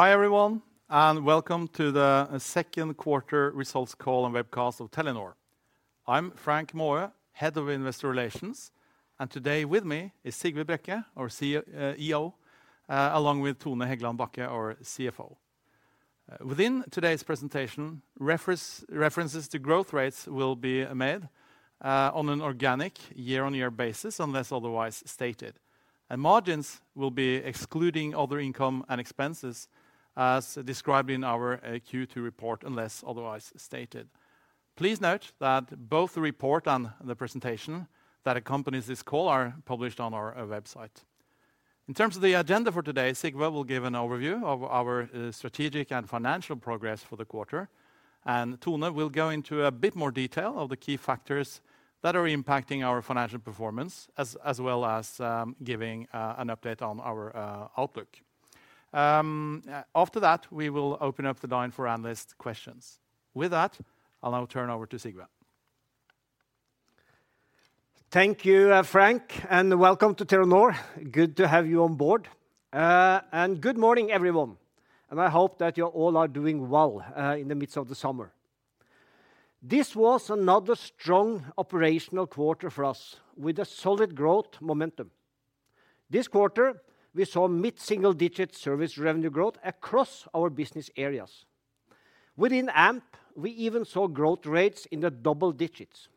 Hi, everyone, welcome to the second quarter results call and webcast of Telenor. I'm Frank Maaø, Head of Investor Relations, and today with me is Sigve Brekke, our CEO, along with Tone Hegland Bachke, our CFO. Within today's presentation, references to growth rates will be made on an organic year-on-year basis, unless otherwise stated, and margins will be excluding other income and expenses, as described in our Q2 report, unless otherwise stated. Please note that both the report and the presentation that accompanies this call are published on our website. In terms of the agenda for today, Sigve will give an overview of our strategic and financial progress for the quarter, and Tone will go into a bit more detail of the key factors that are impacting our financial performance, as well as giving an update on our outlook. After that, we will open up the line for analyst questions. I'll now turn over to Sigve. Thank you, Frank, welcome to Telenor. Good to have you on board. Good morning, everyone, and I hope that you all are doing well in the midst of the summer. This was another strong operational quarter for us with a solid growth momentum. This quarter, we saw mid-single-digit service revenue growth across our business areas. Within Amp, we even saw growth rates in the double digits.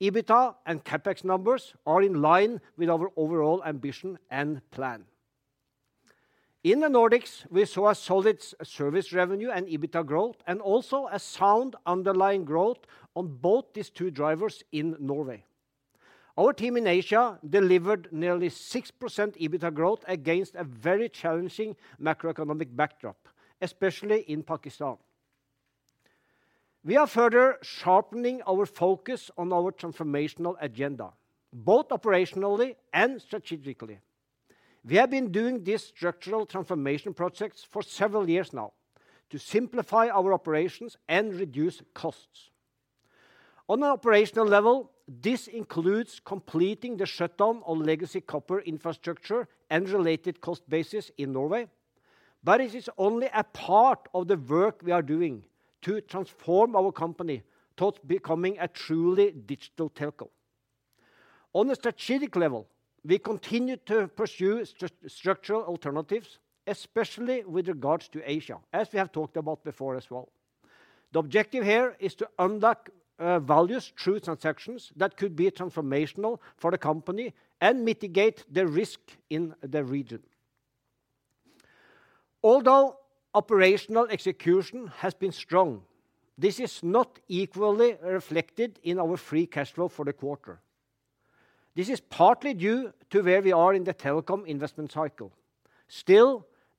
EBITDA and CapEx numbers are in line with our overall ambition and plan. In the Nordics, we saw a solid service revenue and EBITDA growth, also a sound underlying growth on both these two drivers in Norway. Our team in Asia delivered nearly 6% EBITDA growth against a very challenging macroeconomic backdrop, especially in Pakistan. We are further sharpening our focus on our transformational agenda, both operationally and strategically. We have been doing these structural transformation projects for several years now to simplify our operations and reduce costs. On an operational level, this includes completing the shutdown on legacy copper infrastructure and related cost basis in Norway, but it is only a part of the work we are doing to transform our company towards becoming a truly digital telco. On a strategic level, we continue to pursue structural alternatives, especially with regards to Asia, as we have talked about before as well. The objective here is to unlock values through transactions that could be transformational for the company and mitigate the risk in the region. Although operational execution has been strong, this is not equally reflected in our free cash flow for the quarter. This is partly due to where we are in the telecom investment cycle.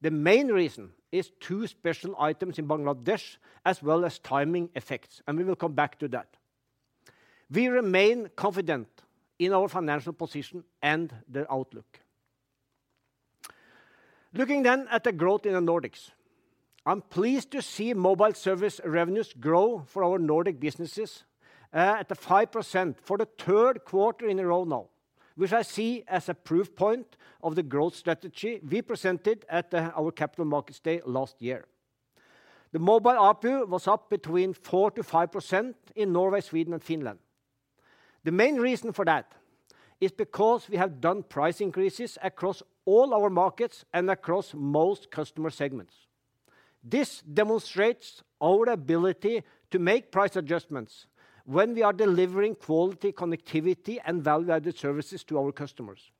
The main reason is two special items in Bangladesh, as well as timing effects. We will come back to that. We remain confident in our financial position and the outlook. Looking at the growth in the Nordics, I'm pleased to see mobile service revenues grow for our Nordic businesses at the 5% for the third quarter in a row now, which I see as a proof point of the growth strategy we presented at our Capital Markets Day last year. The mobile ARPU was up between 4%-5% in Norway, Sweden and Finland. The main reason for that is because we have done price increases across all our markets and across most customer segments. This demonstrates our ability to make price adjustments when we are delivering quality, connectivity, and value-added services to our customers.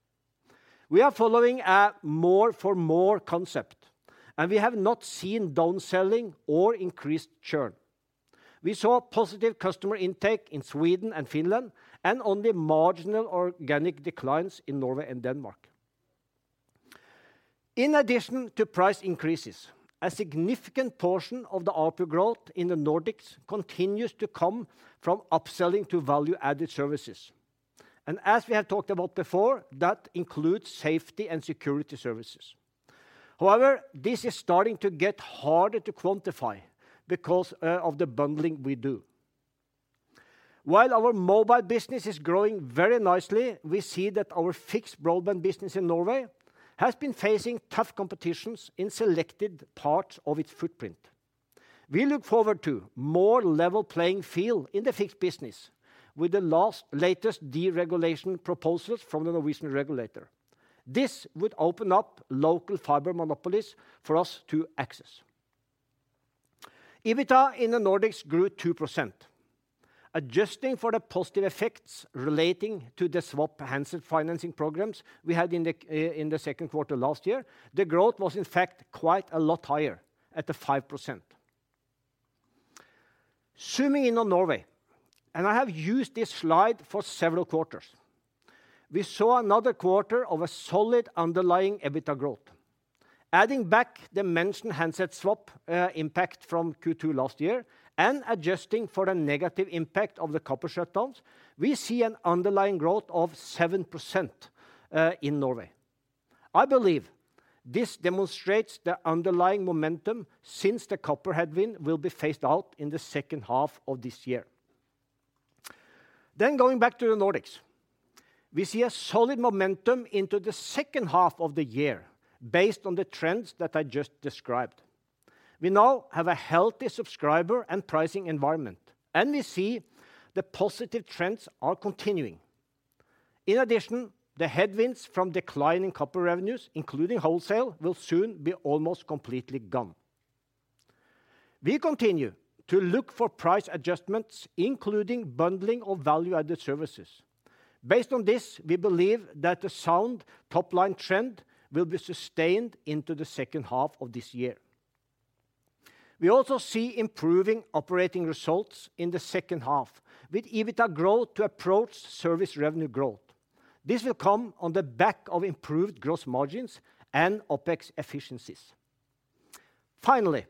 We are following a more for more concept, and we have not seen down-selling or increased churn. We saw positive customer intake in Sweden and Finland, and only marginal organic declines in Norway and Denmark. In addition to price increases, a significant portion of the ARPU growth in the Nordics continues to come from upselling to value-added services, and as we have talked about before, that includes safety and security services. However, this is starting to get harder to quantify because of the bundling we do. While our mobile business is growing very nicely, we see that our fixed broadband business in Norway has been facing tough competitions in selected parts of its footprint. We look forward to more level playing field in the fixed business with the latest deregulation proposals from the Norwegian regulator. This would open up local fiber monopolies for us to access. EBITDA in the Nordics grew 2%. Adjusting for the positive effects relating to the swap handset financing programs we had in the second quarter last year, the growth was in fact quite a lot higher at the 5%. Zooming in on Norway, and I have used this slide for several quarters. We saw another quarter of a solid underlying EBITDA growth. Adding back the mentioned handset swap impact from Q2 last year and adjusting for the negative impact of the copper shutdowns, we see an underlying growth of 7% in Norway. I believe this demonstrates the underlying momentum since the copper headwind will be phased out in the second half of this year. Going back to the Nordics, we see a solid momentum into the second half of the year based on the trends that I just described. We now have a healthy subscriber and pricing environment, and we see the positive trends are continuing. In addition, the headwinds from declining copper revenues, including wholesale, will soon be almost completely gone. We continue to look for price adjustments, including bundling of value-added services. Based on this, we believe that the sound top-line trend will be sustained into the second half of this year. We also see improving operating results in the second half, with EBITDA growth to approach service revenue growth. This will come on the back of improved gross margins and OpEx efficiencies. Finally,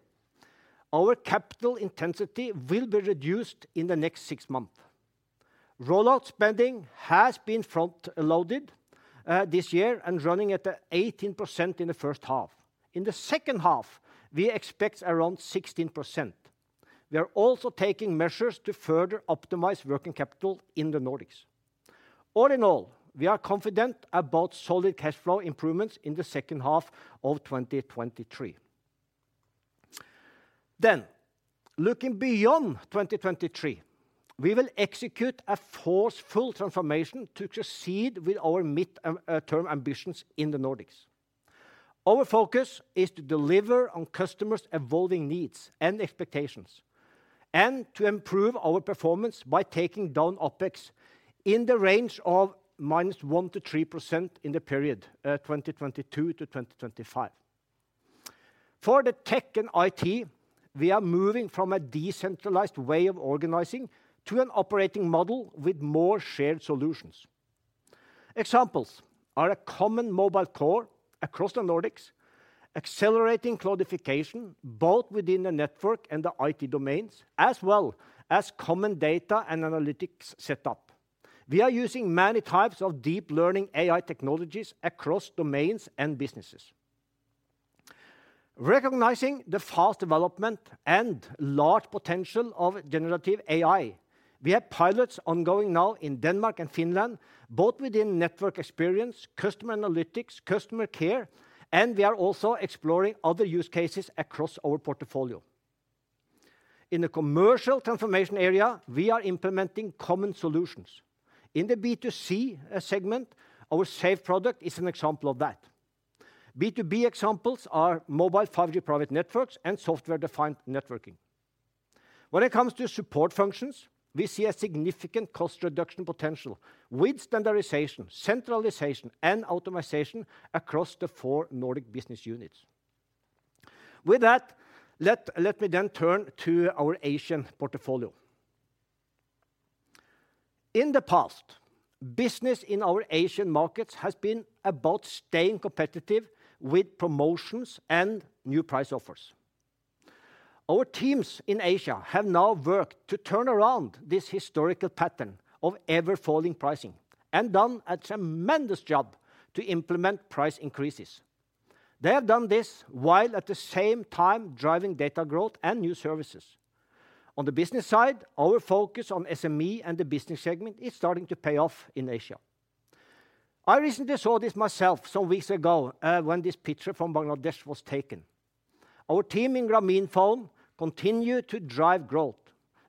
our capital intensity will be reduced in the next six months. Roll-out spending has been front-loaded this year and running at 18% in the first half. In the second half, we expect around 16%. We are also taking measures to further optimize working capital in the Nordics. All in all, we are confident about solid cash flow improvements in the second half of 2023. Looking beyond 2023, we will execute a forceful transformation to proceed with our mid-term ambitions in the Nordics. Our focus is to deliver on customers' evolving needs and expectations, and to improve our performance by taking down OpEx in the range of -1% to 3% in the period 2022 to 2025. For the tech and IT, we are moving from a decentralized way of organizing to an operating model with more shared solutions. Examples are a common mobile core across the Nordics, accelerating cloudification, both within the network and the IT domains, as well as common data and analytics setup. We are using many types of deep learning AI technologies across domains and businesses. Recognizing the fast development and large potential of generative AI, we have pilots ongoing now in Denmark and Finland, both within network experience, customer analytics, customer care, and we are also exploring other use cases across our portfolio. In the commercial transformation area, we are implementing common solutions. In the B2C segment, our SAFE product is an example of that. B2B examples are mobile 5G private networks and Software-Defined Networking. When it comes to support functions, we see a significant cost reduction potential with standardization, centralization, and automation across the four Nordic business units. Let me then turn to our Asian portfolio. In the past, business in our Asian markets has been about staying competitive with promotions and new price offers. Our teams in Asia have now worked to turn around this historical pattern of ever-falling pricing and done a tremendous job to implement price increases. They have done this while at the same time driving data growth and new services. On the business side, our focus on SME and the business segment is starting to pay off in Asia. I recently saw this myself some weeks ago, when this picture from Bangladesh was taken. Our team in Grameenphone continue to drive growth.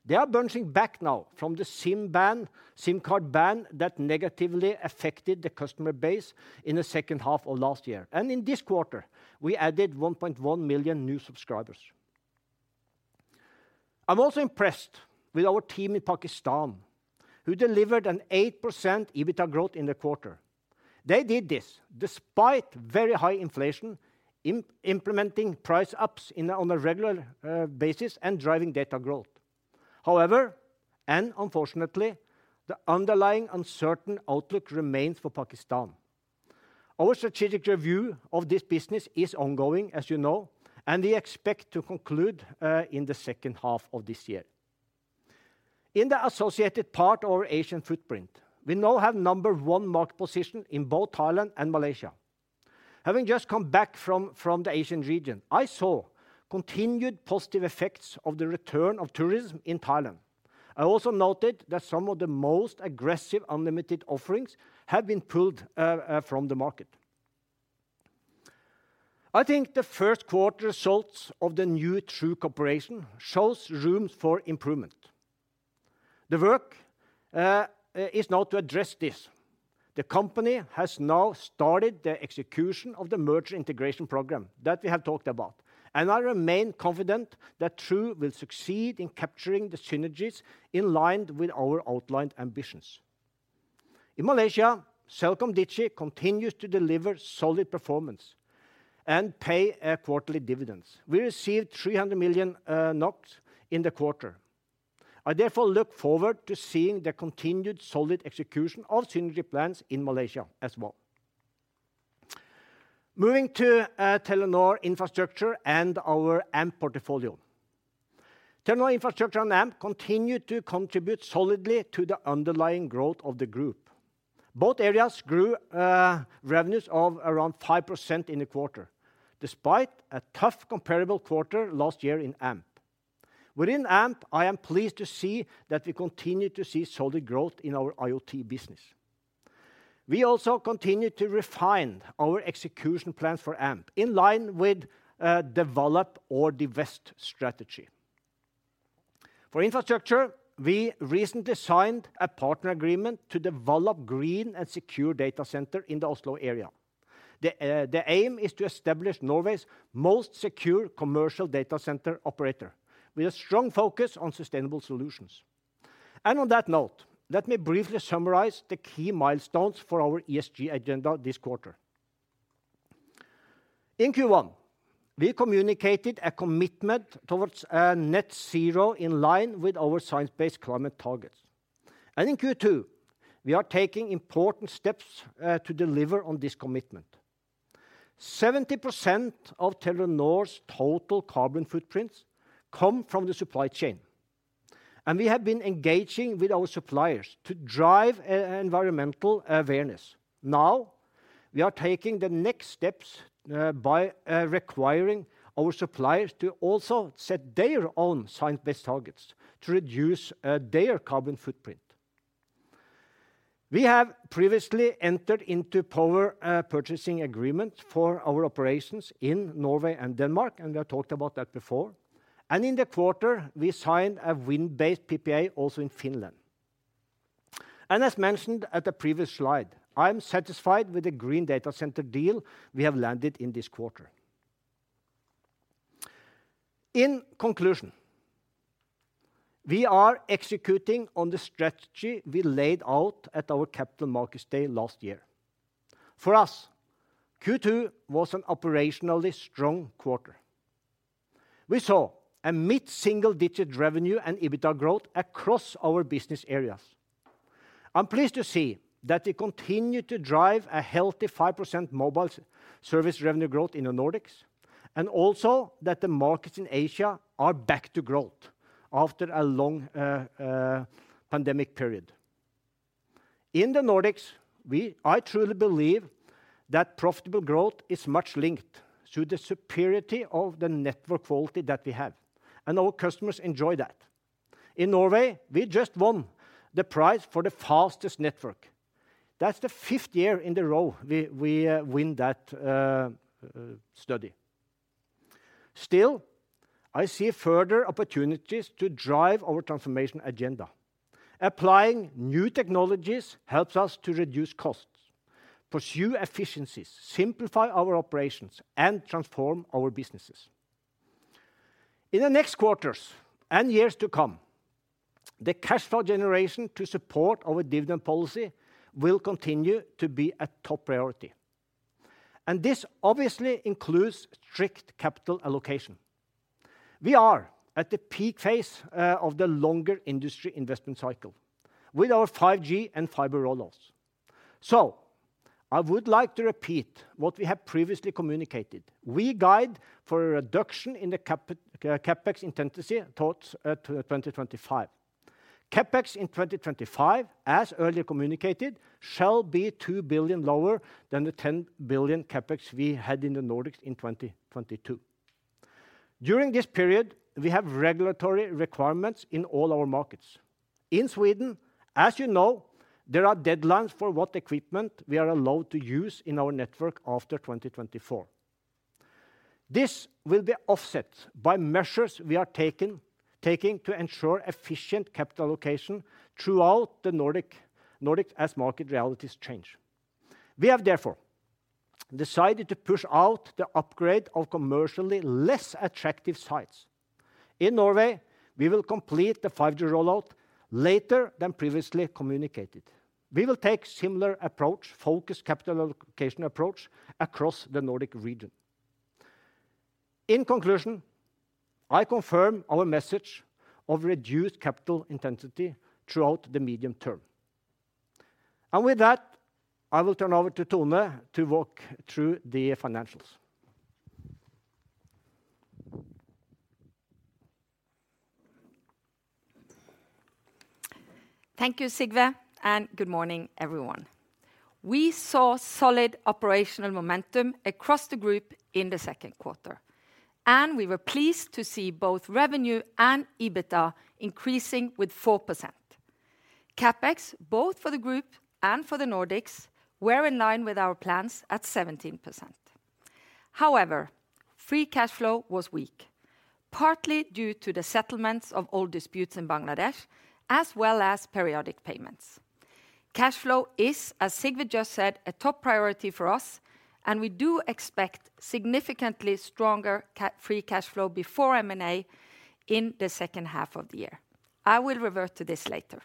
They are bouncing back now from the SIM ban, SIM card ban that negatively affected the customer base in the second half of last year, and in this quarter, we added 1.1 million new subscribers. I'm also impressed with our team in Pakistan, who delivered an 8% EBITDA growth in the quarter. They did this despite very high inflation, implementing price ups on a regular basis and driving data growth. Unfortunately, the underlying uncertain outlook remains for Pakistan. Our strategic review of this business is ongoing, as you know, and we expect to conclude in the second half of this year. In the associated part of our Asian footprint, we now have number one market position in both Thailand and Malaysia. Having just come back from the Asian region, I saw continued positive effects of the return of tourism in Thailand. I also noted that some of the most aggressive unlimited offerings have been pulled from the market. I think the first quarter results of the new True Corporation shows rooms for improvement. The work is now to address this. The company has now started the execution of the merger integration program that we have talked about, and I remain confident that True will succeed in capturing the synergies in line with our outlined ambitions. In Malaysia, CelcomDigi continues to deliver solid performance and pay a quarterly dividends. We received 300 million in the quarter. I look forward to seeing the continued solid execution of synergy plans in Malaysia as well. Moving to Telenor Infrastructure and our Amp portfolio. Telenor Infrastructure and Amp continue to contribute solidly to the underlying growth of the group. Both areas grew revenues of around 5% in the quarter, despite a tough comparable quarter last year in Amp. Within Amp, I am pleased to see that we continue to see solid growth in our IoT business. We also continue to refine our execution plans for Amp, in line with develop or divest strategy. For infrastructure, we recently signed a partner agreement to develop green and secure data center in the Oslo area. The aim is to establish Norway's most secure commercial data center operator, with a strong focus on sustainable solutions. On that note, let me briefly summarize the key milestones for our ESG agenda this quarter. In Q1, we communicated a commitment towards net zero in line with our science-based climate targets. In Q2, we are taking important steps to deliver on this commitment. 70% of Telenor's total carbon footprints come from the supply chain, and we have been engaging with our suppliers to drive environmental awareness. We are taking the next steps by requiring our suppliers to also set their own science-based targets to reduce their carbon footprint. We have previously entered into power purchasing agreement for our operations in Norway and Denmark, and we have talked about that before. In the quarter, we signed a wind-based PPA also in Finland. As mentioned at the previous slide, I'm satisfied with the green data center deal we have landed in this quarter. In conclusion, we are executing on the strategy we laid out at our Capital Markets Day last year. For us, Q2 was an operationally strong quarter. We saw a mid-single digit revenue and EBITDA growth across our business areas. I'm pleased to see that we continue to drive a healthy 5% mobile service revenue growth in the Nordics, and also that the markets in Asia are back to growth after a long pandemic period. In the Nordics, I truly believe that profitable growth is much linked to the superiority of the network quality that we have, and our customers enjoy that. In Norway, we just won the prize for the fastest network. That's the fifth year in a row we win that study. Still, I see further opportunities to drive our transformation agenda. Applying new technologies helps us to reduce costs, pursue efficiencies, simplify our operations, and transform our businesses. In the next quarters and years to come, the cash flow generation to support our dividend policy will continue to be a top priority, and this obviously includes strict capital allocation. We are at the peak phase of the longer industry investment cycle with our 5G and fiber rollouts. I would like to repeat what we have previously communicated. We guide for a reduction in the CapEx intensity towards 2025. CapEx in 2025, as earlier communicated, shall be 2 billion lower than the 10 billion CapEx we had in the Nordics in 2022. During this period, we have regulatory requirements in all our markets. In Sweden, as you know, there are deadlines for what equipment we are allowed to use in our network after 2024. This will be offset by measures we are taking to ensure efficient capital allocation throughout the Nordic as market realities change. We have therefore decided to push out the upgrade of commercially less attractive sites. In Norway, we will complete the 5G rollout later than previously communicated. We will take similar focused capital allocation approach across the Nordic region. In conclusion, I confirm our message of reduced capital intensity throughout the medium term. With that, I will turn over to Tone to walk through the financials. Thank you, Sigve. Good morning, everyone. We saw solid operational momentum across the group in the second quarter, and we were pleased to see both revenue and EBITDA increasing with 4%. CapEx, both for the group and for the Nordics, were in line with our plans at 17%. However, free cash flow was weak, partly due to the settlements of old disputes in Bangladesh, as well as periodic payments. Cash flow is, as Sigve just said, a top priority for us, and we do expect significantly stronger free cash flow before M&A in the second half of the year. I will revert to this later.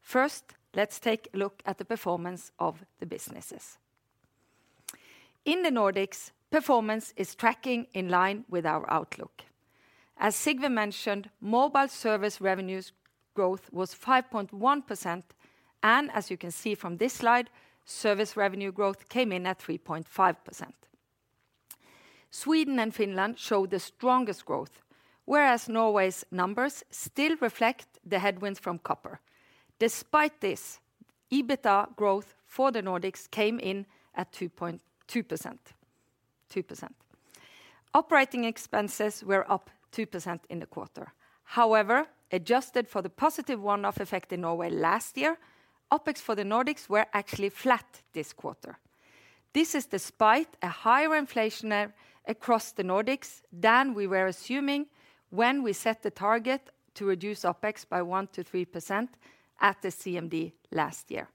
First, let's take a look at the performance of the businesses. In the Nordics, performance is tracking in line with our outlook. As Sigve Brekke mentioned, mobile service revenues growth was 5.1%. As you can see from this slide, service revenue growth came in at 3.5%. Sweden and Finland show the strongest growth, whereas Norway's numbers still reflect the headwinds from copper. Despite this, EBITDA growth for the Nordics came in at 2.2%, 2%. Operating expenses were up 2% in the quarter. However, adjusted for the positive one-off effect in Norway last year, OpEx for the Nordics were actually flat this quarter. This is despite a higher inflation across the Nordics than we were assuming when we set the target to reduce OpEx by 1%-3% at the CMD last year.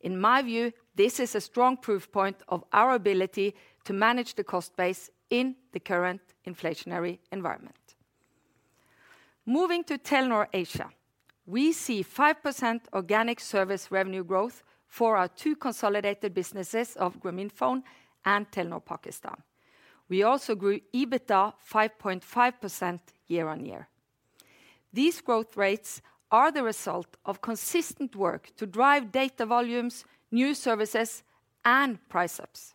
In my view, this is a strong proof point of our ability to manage the cost base in the current inflationary environment. Moving to Telenor Asia, we see 5% organic service revenue growth for our two consolidated businesses of Grameenphone and Telenor Pakistan. We also grew EBITDA 5.5% year-on-year. These growth rates are the result of consistent work to drive data volumes, new services, and price ups.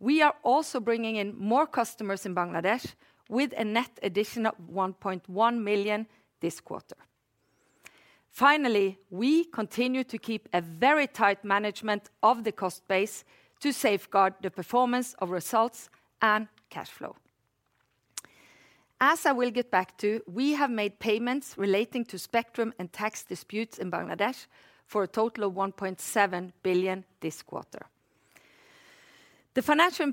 We are also bringing in more customers in Bangladesh with a net addition of 1.1 million this quarter. We continue to keep a very tight management of the cost base to safeguard the performance of results and cash flow. As I will get back to, we have made payments relating to spectrum and tax disputes in Bangladesh for a total of 1.7 billion this quarter. The financial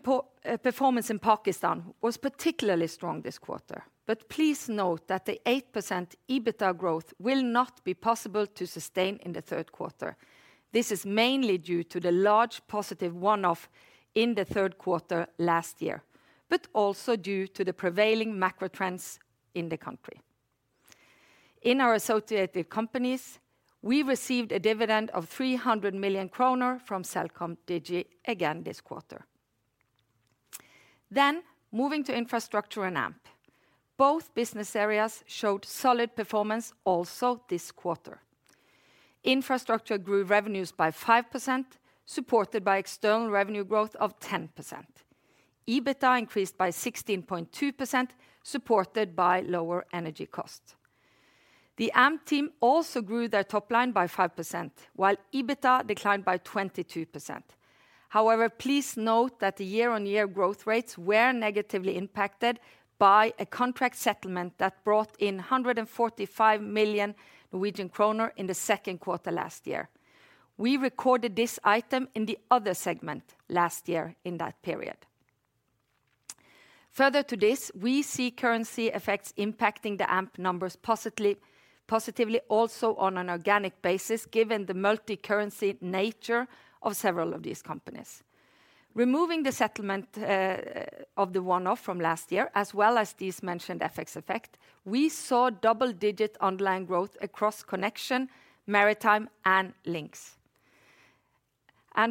performance in Pakistan was particularly strong this quarter. Please note that the 8% EBITDA growth will not be possible to sustain in the third quarter. This is mainly due to the large positive one-off in the third quarter last year, also due to the prevailing macro trends in the country. In our associated companies, we received a dividend of 300 million kroner from CelcomDigi again this quarter. Moving to Infrastructure and Amp. Both business areas showed solid performance also this quarter. Infrastructure grew revenues by 5%, supported by external revenue growth of 10%. EBITDA increased by 16.2%, supported by lower energy costs. The Amp team also grew their top line by 5%, while EBITDA declined by 22%. However, please note that the year-on-year growth rates were negatively impacted by a contract settlement that brought in 145 million Norwegian kroner in the second quarter last year. We recorded this item in the other segment last year in that period. Further to this, we see currency effects impacting the Telenor Amp numbers positively, also on an organic basis, given the multicurrency nature of several of these companies. Removing the settlement of the one-off from last year, as well as these mentioned FX effect, we saw double-digit online growth across Connection, maritime, and links.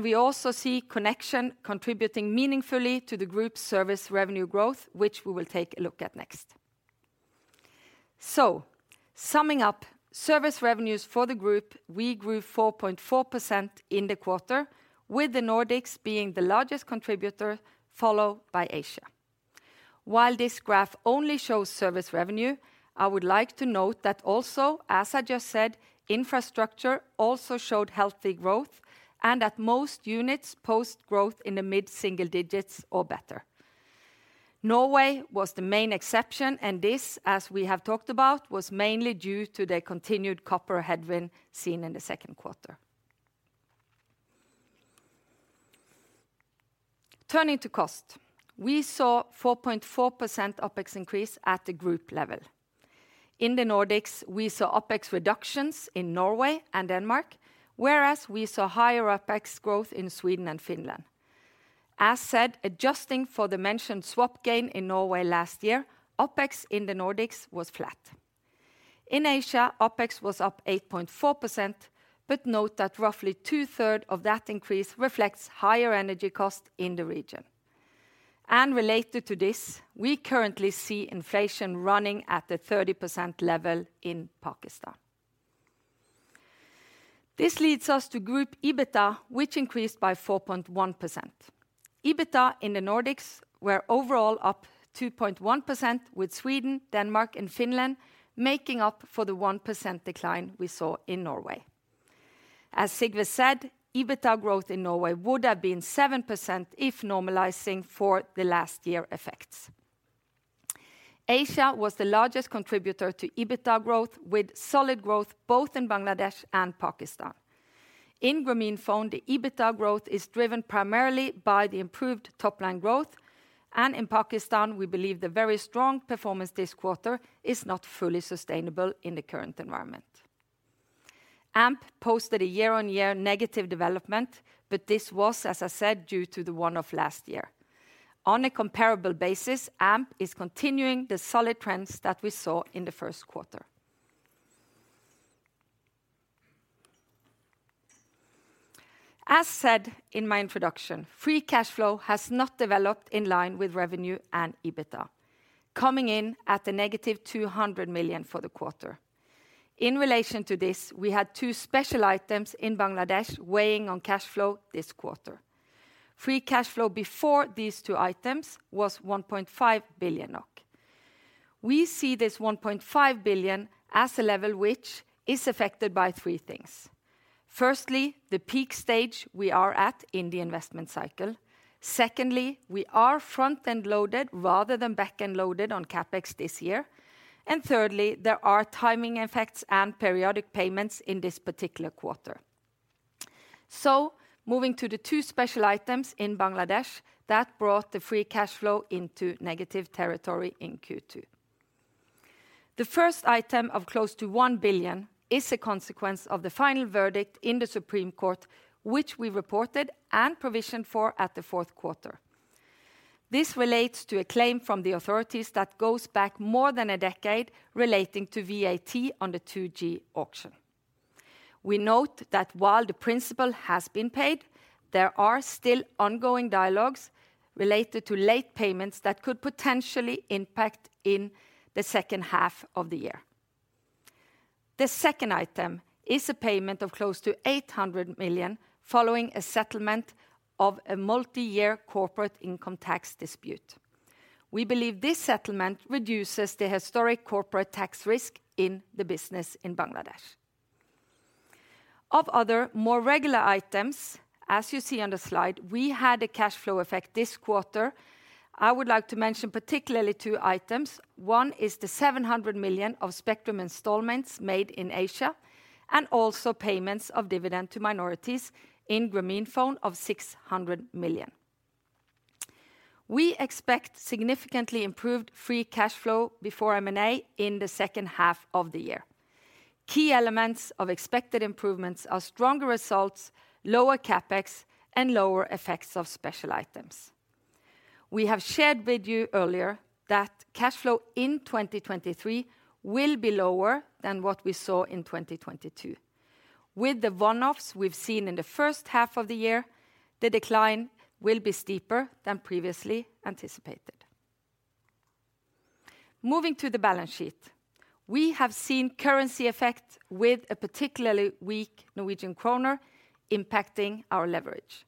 We also see Connection contributing meaningfully to the group's service revenue growth, which we will take a look at next. Summing up, service revenues for the group, we grew 4.4% in the quarter, with the Nordics being the largest contributor, followed by Asia. While this graph only shows service revenue, I would like to note that also, as I just said, infrastructure also showed healthy growth and that most units post growth in the mid-single digits or better. Norway was the main exception. This, as we have talked about, was mainly due to the continued copper headwind seen in the second quarter. Turning to cost, we saw 4.4% OpEx increase at the group level. In the Nordics, we saw OpEx reductions in Norway and Denmark, whereas we saw higher OpEx growth in Sweden and Finland. As said, adjusting for the mentioned swap gain in Norway last year, OpEx in the Nordics was flat. In Asia, OpEx was up 8.4%. Note that roughly 2/3 of that increase reflects higher energy cost in the region. Related to this, we currently see inflation running at the 30% level in Pakistan. This leads us to group EBITDA, which increased by 4.1%. EBITDA in the Nordics were overall up 2.1%, with Sweden, Denmark, and Finland making up for the 1% decline we saw in Norway. As Sigve said, EBITDA growth in Norway would have been 7% if normalizing for the last year effects. Asia was the largest contributor to EBITDA growth, with solid growth both in Bangladesh and Pakistan. In Grameenphone, the EBITDA growth is driven primarily by the improved top-line growth, and in Pakistan, we believe the very strong performance this quarter is not fully sustainable in the current environment. Amp posted a year-on-year negative development, but this was, as I said, due to the one-off last year. On a comparable basis, Amp is continuing the solid trends that we saw in the first quarter. As said in my introduction, free cash flow has not developed in line with revenue and EBITDA, coming in at a negative 200 million for the quarter. In relation to this, we had two special items in Bangladesh weighing on cash flow this quarter. Free cash flow before these two items was 1.5 billion NOK. We see this 1.5 billion as a level which is affected by three things. Firstly, the peak stage we are at in the investment cycle. Secondly, we are front-end loaded rather than back-end loaded on CapEx this year. Thirdly, there are timing effects and periodic payments in this particular quarter. Moving to the two special items in Bangladesh that brought the free cash flow into negative territory in Q2. The first item of close to 1 billion is a consequence of the final verdict in the Supreme Court, which we reported and provisioned for at the fourth quarter. This relates to a claim from the authorities that goes back more than a decade relating to VAT on the 2G auction. We note that while the principal has been paid, there are still ongoing dialogues related to late payments that could potentially impact in the second half of the year. The second item is a payment of close to 800 million, following a settlement of a multi-year corporate income tax dispute. We believe this settlement reduces the historic corporate tax risk in the business in Bangladesh. Of other, more regular items, as you see on the slide, we had a cash flow effect this quarter. I would like to mention particularly two items. One is the 700 million of spectrum installments made in Asia, and also payments of dividend to minorities in Grameenphone of 600 million. We expect significantly improved free cash flow before M&A in the second half of the year. Key elements of expected improvements are stronger results, lower CapEx, and lower effects of special items. We have shared with you earlier that cash flow in 2023 will be lower than what we saw in 2022. With the one-offs we've seen in the first half of the year, the decline will be steeper than previously anticipated. Moving to the balance sheet. We have seen currency effect with a particularly weak Norwegian kroner impacting our leverage.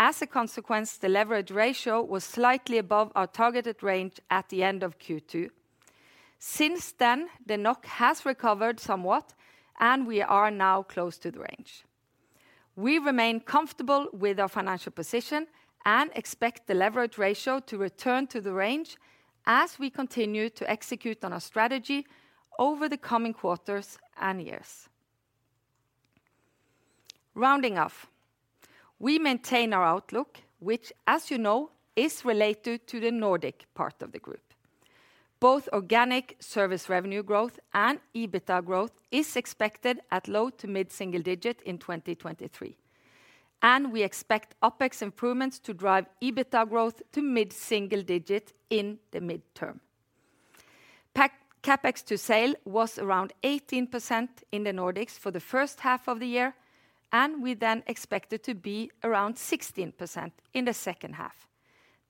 As a consequence, the leverage ratio was slightly above our targeted range at the end of Q2. Since then, the NOK has recovered somewhat, and we are now close to the range. We remain comfortable with our financial position and expect the leverage ratio to return to the range as we continue to execute on our strategy over the coming quarters and years. Rounding off, we maintain our outlook, which, as you know, is related to the Nordic part of the group. Both organic service revenue growth and EBITDA growth is expected at low-to-mid single digit in 2023. We expect OpEx improvements to drive EBITDA growth to mid-single digit in the midterm. CapEx to sale was around 18% in the Nordics for the first half of the year, and we then expect it to be around 16% in the second half.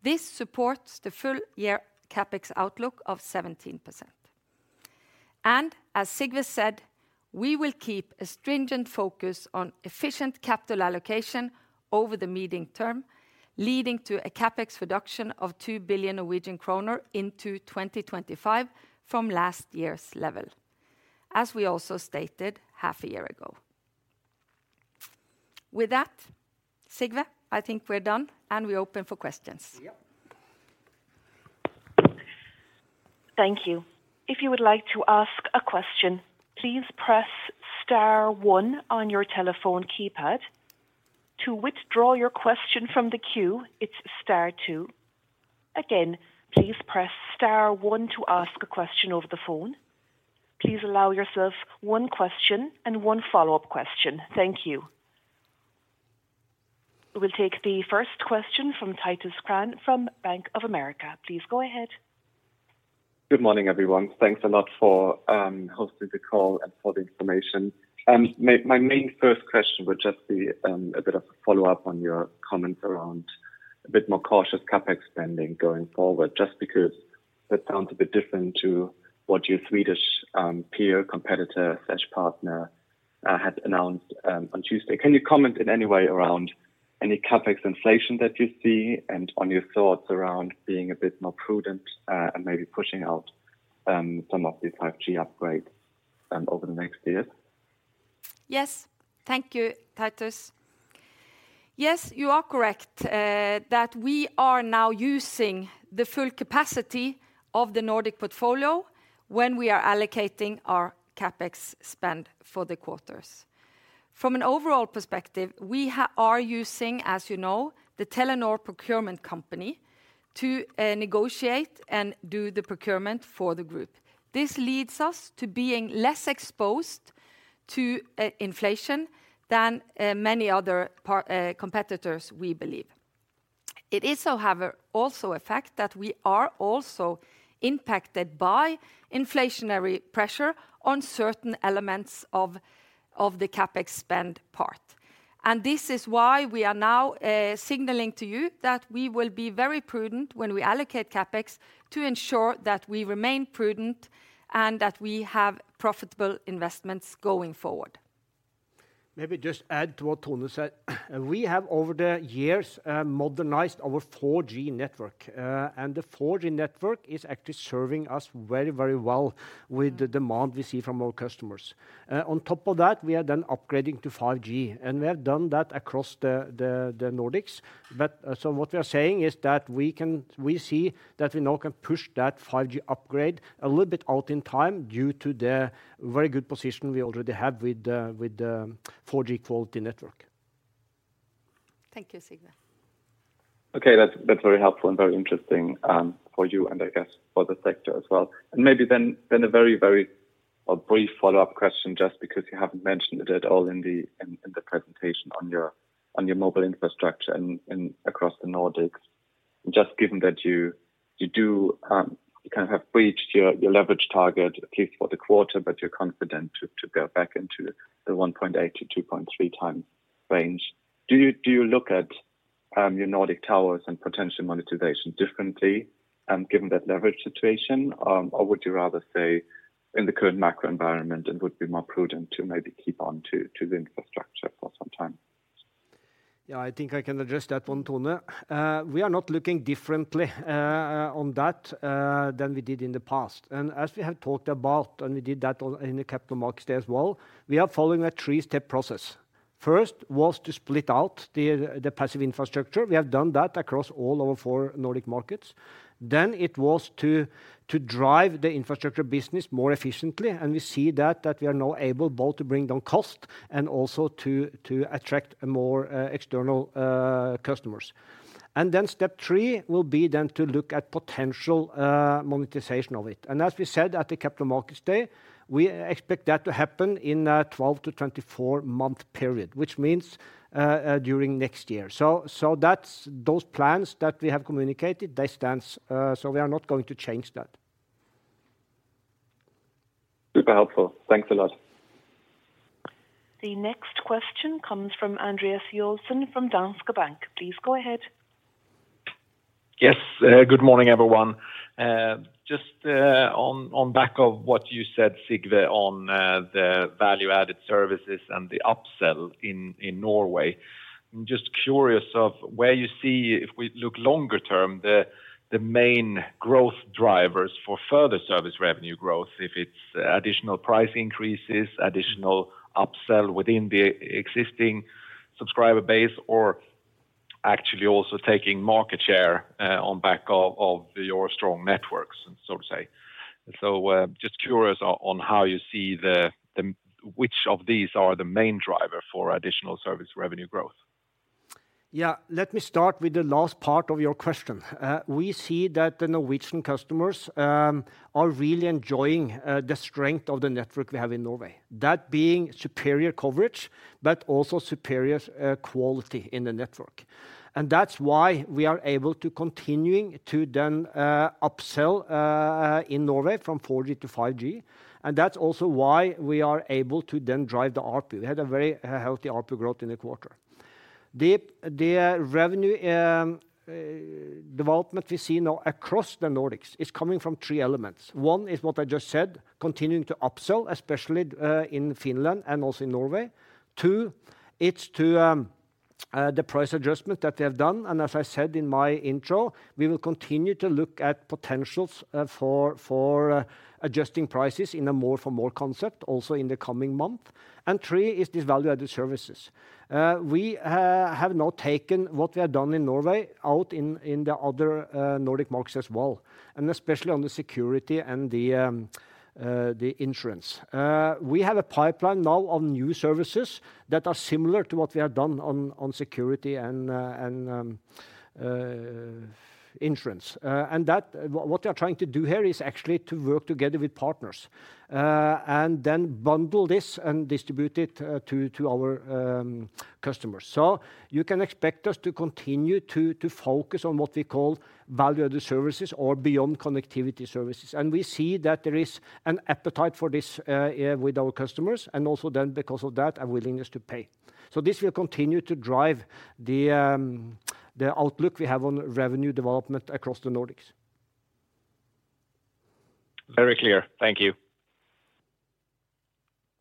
This supports the full year CapEx outlook of 17%. As Sigve said, we will keep a stringent focus on efficient capital allocation over the meeting term, leading to a CapEx reduction of 2 billion Norwegian kroner into 2025 from last year's level, as we also stated half a year ago. With that, Sigve, I think we're done and we're open for questions. Yep. Thank you. If you would like to ask a question, please press star one on your telephone keypad. To withdraw your question from the queue, it's star two. Again, please press star one to ask a question over the phone. Please allow yourself one question and one follow-up question. Thank you. We'll take the first question from Titus Krahn from Bank of America. Please go ahead. Good morning, everyone. Thanks a lot for hosting the call and for the information. My main first question would just be a bit of a follow-up on your comments around a bit more cautious CapEx spending going forward, just because that sounds a bit different to what your Swedish peer competitor/partner had announced on Tuesday. Can you comment in any way around any CapEx inflation that you see, and on your thoughts around being a bit more prudent, and maybe pushing out some of the 5G upgrades over the next years? Yes. Thank you, Titus. Yes, you are correct that we are now using the full capacity of the Nordic portfolio when we are allocating our CapEx spend for the quarters. From an overall perspective, we are using, as you know, the Telenor Procurement Company, to negotiate and do the procurement for the group. This leads us to being less exposed to inflation than many other competitors, we believe. It is, however, also a fact that we are also impacted by inflationary pressure on certain elements of the CapEx spend part. This is why we are now signaling to you that we will be very prudent when we allocate CapEx to ensure that we remain prudent and that we have profitable investments going forward. Maybe just add to what Tone said. We have, over the years, modernized our 4G network. The 4G network is actually serving us very, very well with the demand we see from our customers. On top of that, we are then upgrading to 5G, and we have done that across the Nordics. What we are saying is that we see that we now can push that 5G upgrade a little bit out in time due to the very good position we already have with the 4G quality network. Thank you, Sigve. Okay, that's very helpful and very interesting for you and I guess for the sector as well. Maybe then a very, very brief follow-up question, just because you haven't mentioned it at all in the presentation on your mobile infrastructure and across the Nordics. Just given that you do, you kind of have reached your leverage target, at least for the quarter, but you're confident to go back into the 1.8x-2.3x range. Do you look at your Nordic towers and potential monetization differently, given that leverage situation? Or would you rather say in the current macro environment, it would be more prudent to maybe keep on to the infrastructure for some time? Yeah, I think I can address that one, Tone. We are not looking differently on that than we did in the past. As we have talked about, and we did that in the Capital Markets Day as well, we are following a three-step process. First, was to split out the passive infrastructure. We have done that across all our four Nordic markets. Then it was to drive the infrastructure business more efficiently, and we see that we are now able both to bring down cost and also to attract more external customers. Then step three will be then to look at potential monetization of it. As we said at the Capital Markets Day, we expect that to happen in a 12-24-month period, which means during next year. That's those plans that we have communicated, they stand. We are not going to change that. Super helpful. Thanks a lot. The next question comes from Andreas Joelsson from Danske Bank. Please go ahead. Yes, good morning, everyone. Just on back of what you said, Sigve, on the value-added services and the upsell in Norway. I'm just curious of where you see, if we look longer term, the main growth drivers for further service revenue growth, if it's additional price increases, additional upsell within the existing subscriber base, or actually also taking market share, on back of your strong networks, so to say. Just curious on how you see the... Which of these are the main driver for additional service revenue growth? Yeah. Let me start with the last part of your question. We see that the Norwegian customers are really enjoying the strength of the network we have in Norway. That being superior coverage, but also superior quality in the network. That's why we are able to continuing to then upsell in Norway from 4G to 5G, and that's also why we are able to then drive the ARPU. We had a very healthy ARPU growth in the quarter. The revenue development we see now across the Nordics is coming from three elements. One is what I just said, continuing to upsell, especially in Finland and also in Norway. Two, it's to the price adjustment that we have done, and as I said in my intro, we will continue to look at potentials for adjusting prices in a more for more concept, also in the coming month. Three is these value-added services. We have now taken what we have done in Norway, out in the other Nordic markets as well, and especially on the security and the insurance. We have a pipeline now on new services that are similar to what we have done on security and insurance. What we are trying to do here is actually to work together with partners, and then bundle this and distribute it to our customers. You can expect us to continue to focus on what we call value-added services or beyond connectivity services. We see that there is an appetite for this with our customers, and also then because of that, a willingness to pay. This will continue to drive the outlook we have on revenue development across the Nordics. Very clear. Thank you.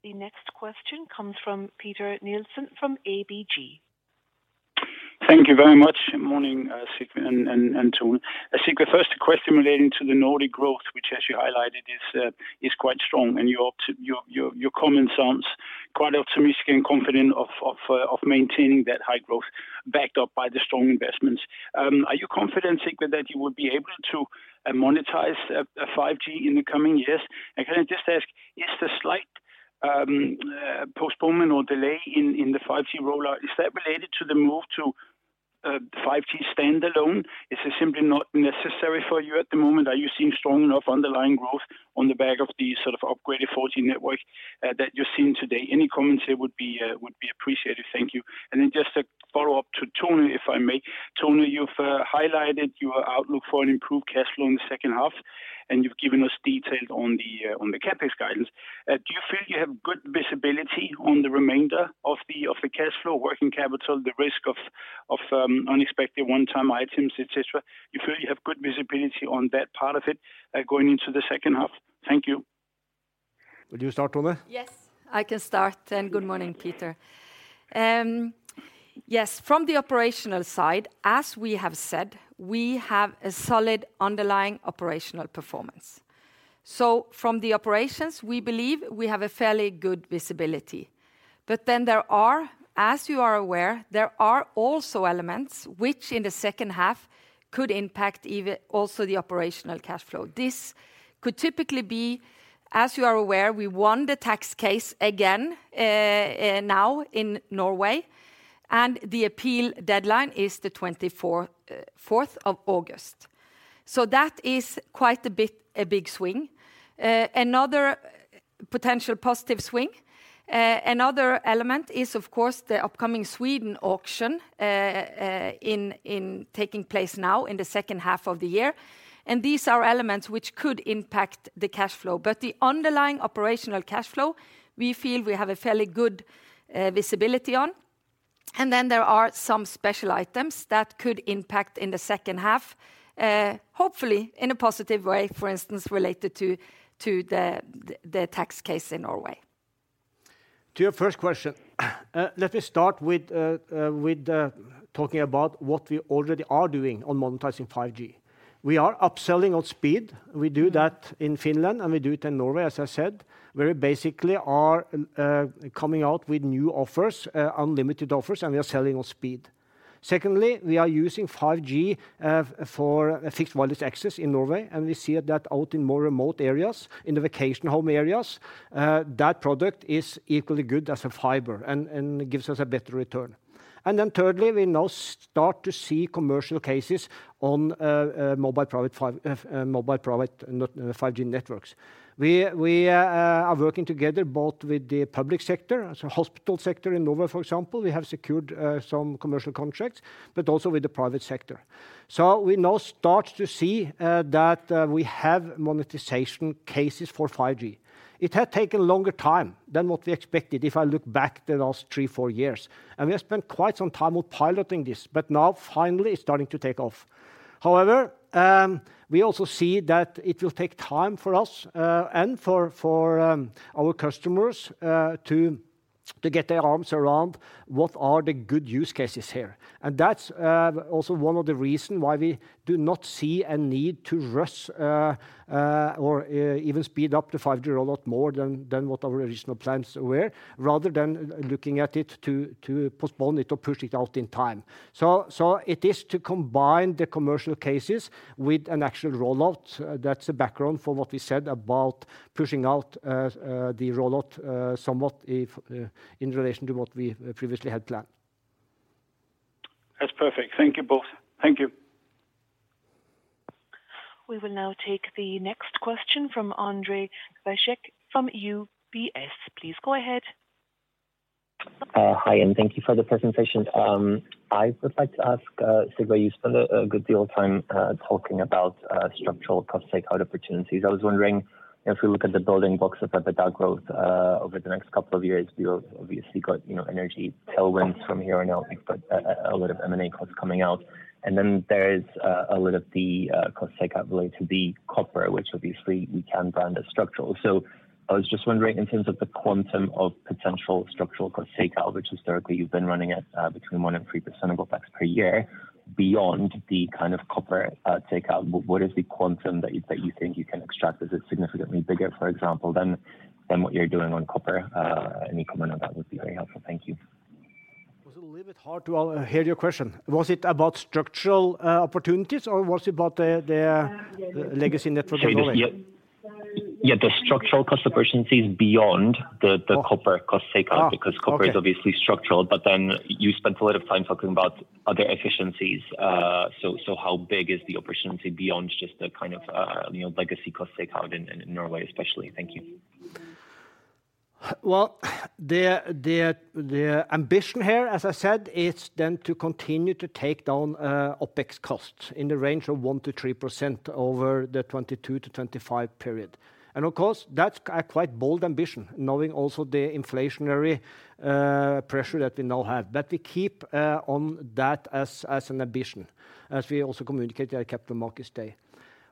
The next question comes from Peter Nielsen from ABG. Thank you very much. Morning, Sigve and Tone. Sigve, first question relating to the Nordic growth, which as you highlighted, is quite strong. Your comment sounds quite optimistic and confident of maintaining that high growth backed up by the strong investments. Are you confident, Sigve, that you would be able to monetize 5G in the coming years? Can I just ask, is the slight postponement or delay in the 5G rollout, is that related to the move to 5G Standalone? Is it simply not necessary for you at the moment? Are you seeing strong enough underlying growth on the back of the sort of upgraded 4G network that you're seeing today? Any comments there would be appreciated. Thank you. Just a follow-up to Tone, if I may. Tone, you've highlighted your outlook for an improved cash flow in the second half, and you've given us details on the CapEx guidance. Do you feel you have good visibility on the remainder of the cash flow, working capital, the risk of unexpected one-time items, et cetera? You feel you have good visibility on that part of it going into the second half? Thank you. Will you start, Tone? I can start, good morning, Peter. From the operational side, as we have said, we have a solid underlying operational performance. From the operations, we believe we have a fairly good visibility. There are, as you are aware, also elements which in the second half could impact the operational cash flow. This could typically be, as you are aware, we won the tax case again now in Norway, and the appeal deadline is the 24th of August. That is quite a bit, a big swing. Another potential positive swing, another element is, of course, the upcoming Sweden auction in taking place now in the second half of the year. These are elements which could impact the cash flow. The underlying operational cash flow, we feel we have a fairly good visibility on. There are some special items that could impact in the second half, hopefully in a positive way, for instance, related to the tax case in Norway. To your first question, let me start with talking about what we already are doing on monetizing 5G. We are upselling on speed. We do that in Finland, and we do it in Norway, as I said, where we basically are coming out with new offers, unlimited offers, and we are selling on speed. Secondly, we are using 5G for Fixed Wireless Access in Norway, and we see that out in more remote areas, in the vacation home areas. That product is equally good as a fiber and it gives us a better return. Thirdly, we now start to see commercial cases on mobile private 5G networks. We are working together both with the public sector, so hospital sector in Norway, for example, we have secured some commercial contracts, but also with the private sector. We now start to see that we have monetization cases for 5G. It had taken longer time than what we expected, if I look back the last three, four years. We have spent quite some time on piloting this, but now finally, it's starting to take off. However, we also see that it will take time for us and for our customers to get their arms around what are the good use cases here. That's, also one of the reason why we do not see a need to rush, or, even speed up the 5G a lot more than what our original plans were, rather than looking at it to postpone it or push it out in time. It is to combine the commercial cases with an actual rollout. That's the background for what we said about pushing out, the rollout, somewhat, if, in relation to what we previously had planned. That's perfect. Thank you both. Thank you. We will now take the next question from Ondrej Cabejsek from UBS. Please go ahead. Hi, and thank you for the presentation. I would like to ask Sigve, you spent a good deal of time talking about structural cost take-out opportunities. I was wondering, if we look at the building blocks of EBITDA growth over the next couple of years, we've obviously got, you know, energy tailwinds from here on out, but a lot of M&A costs coming out. Then there's a lot of the cost take out related to the copper, which obviously we can brand as structural. I was just wondering, in terms of the quantum of potential structural cost take out, which historically you've been running at between 1% and 3% of OpEx per year, beyond the kind of copper take out, what is the quantum that you think you can extract? Is it significantly bigger, for example, than what you're doing on copper? Any comment on that would be very helpful. Thank you. Was it a little bit hard to hear your question? Was it about structural opportunities, or was it about the legacy network rolling? Yeah, the structural cost opportunities beyond. Oh The copper cost take out. Okay. Because copper is obviously structural. You spent a lot of time talking about other efficiencies. So how big is the opportunity beyond just the kind of, you know, legacy cost take out in Norway, especially? Thank you. Well, the ambition here, as I said, is then to continue to take down OpEx costs in the range of 1% to 3% over the 2022 to 2025 period. Of course, that's a quite bold ambition, knowing also the inflationary pressure that we now have. We keep on that as an ambition, as we also communicated at Capital Markets Day.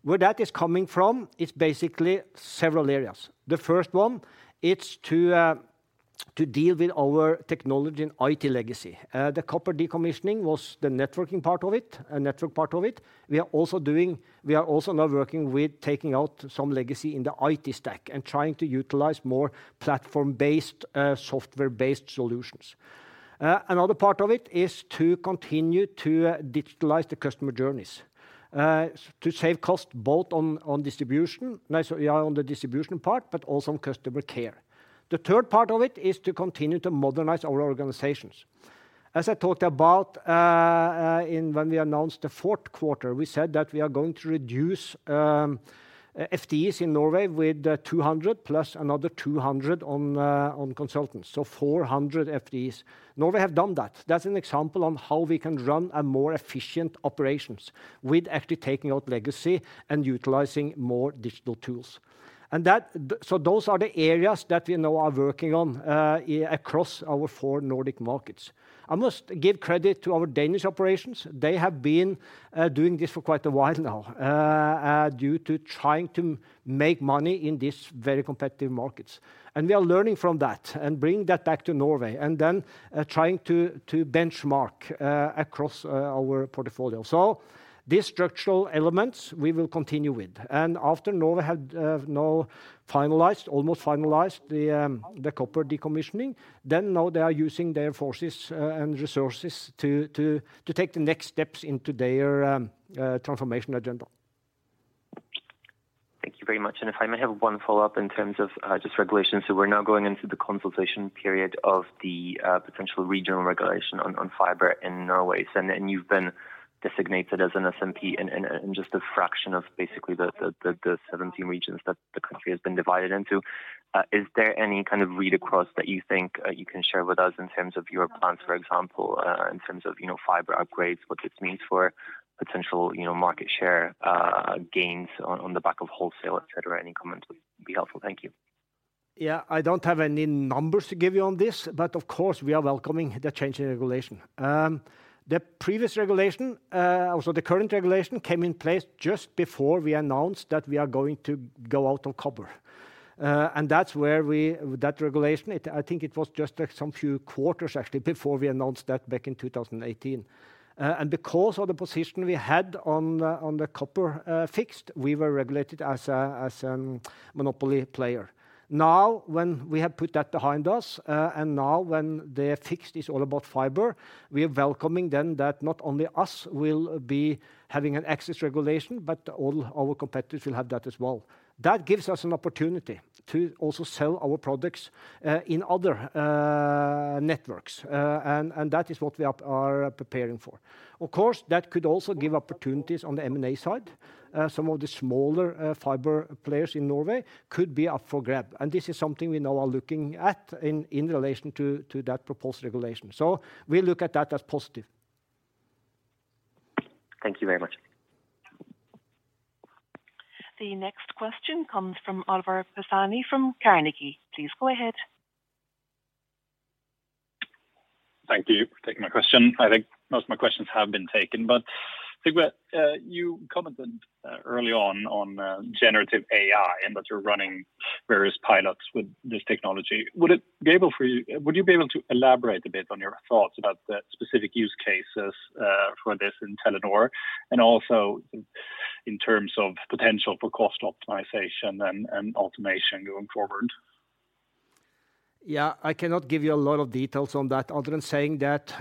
Where that is coming from, it's basically several areas. The first one, it's to deal with our technology and IT legacy. The copper decommissioning was the networking part of it, a network part of it. We are also now working with taking out some legacy in the IT stack and trying to utilize more platform-based, software-based solutions. Another part of it is to continue to digitalize the customer journeys, to save cost both on distribution, nice, on the distribution part, but also on customer care. The third part of it is to continue to modernize our organizations. As I talked about, in when we announced the fourth quarter, we said that we are going to reduce FTEs in Norway with 200, plus another 200 on consultants, so 400 FTEs. Norway have done that. That's an example on how we can run a more efficient operations, with actually taking out legacy and utilizing more digital tools. Those are the areas that we now are working on across our four Nordic markets. I must give credit to our Danish operations. They have been doing this for quite a while now, due to trying to make money in these very competitive markets. We are learning from that, and bringing that back to Norway, and then trying to benchmark across our portfolio. These structural elements, we will continue with. After Norway had now almost finalized the copper decommissioning, then now they are using their forces and resources to take the next steps into their transformation agenda. Thank you very much. If I may have one follow-up in terms of just regulation. We're now going into the consultation period of the potential regional regulation on fiber in Norway. And you've been designated as an SMP in just a fraction of basically the 17 regions that the country has been divided into. Is there any kind of read-across that you think you can share with us in terms of your plans, for example, in terms of, you know, fiber upgrades, what this means for potential, you know, market share gains on the back of wholesale, et cetera? Any comment would be helpful. Thank you. I don't have any numbers to give you on this, but of course, we are welcoming the change in regulation. The previous regulation, so the current regulation came in place just before we announced that we are going to go out on copper. That regulation, it... I think it was just, like, some few quarters actually, before we announced that back in 2018. Because of the position we had on the copper fixed, we were regulated as a monopoly player. When we have put that behind us, and now when the fixed is all about fiber, we are welcoming then that not only us will be having an access regulation, but all our competitors will have that as well. That gives us an opportunity to also sell our products in other networks. That is what we are preparing for. Of course, that could also give opportunities on the M&A side. Some of the smaller fiber players in Norway could be up for grab, and this is something we now are looking at in relation to that proposed regulation. We look at that as positive. Thank you very much. The next question comes from Oliver Pisani from Carnegie. Please go ahead. Thank you for taking my question. I think most of my questions have been taken, Sigve, you commented early on generative AI, and that you're running various pilots with this technology. Would you be able to elaborate a bit on your thoughts about the specific use cases for this in Telenor, and also in terms of potential for cost optimization and automation going forward? Yeah. I cannot give you a lot of details on that, other than saying that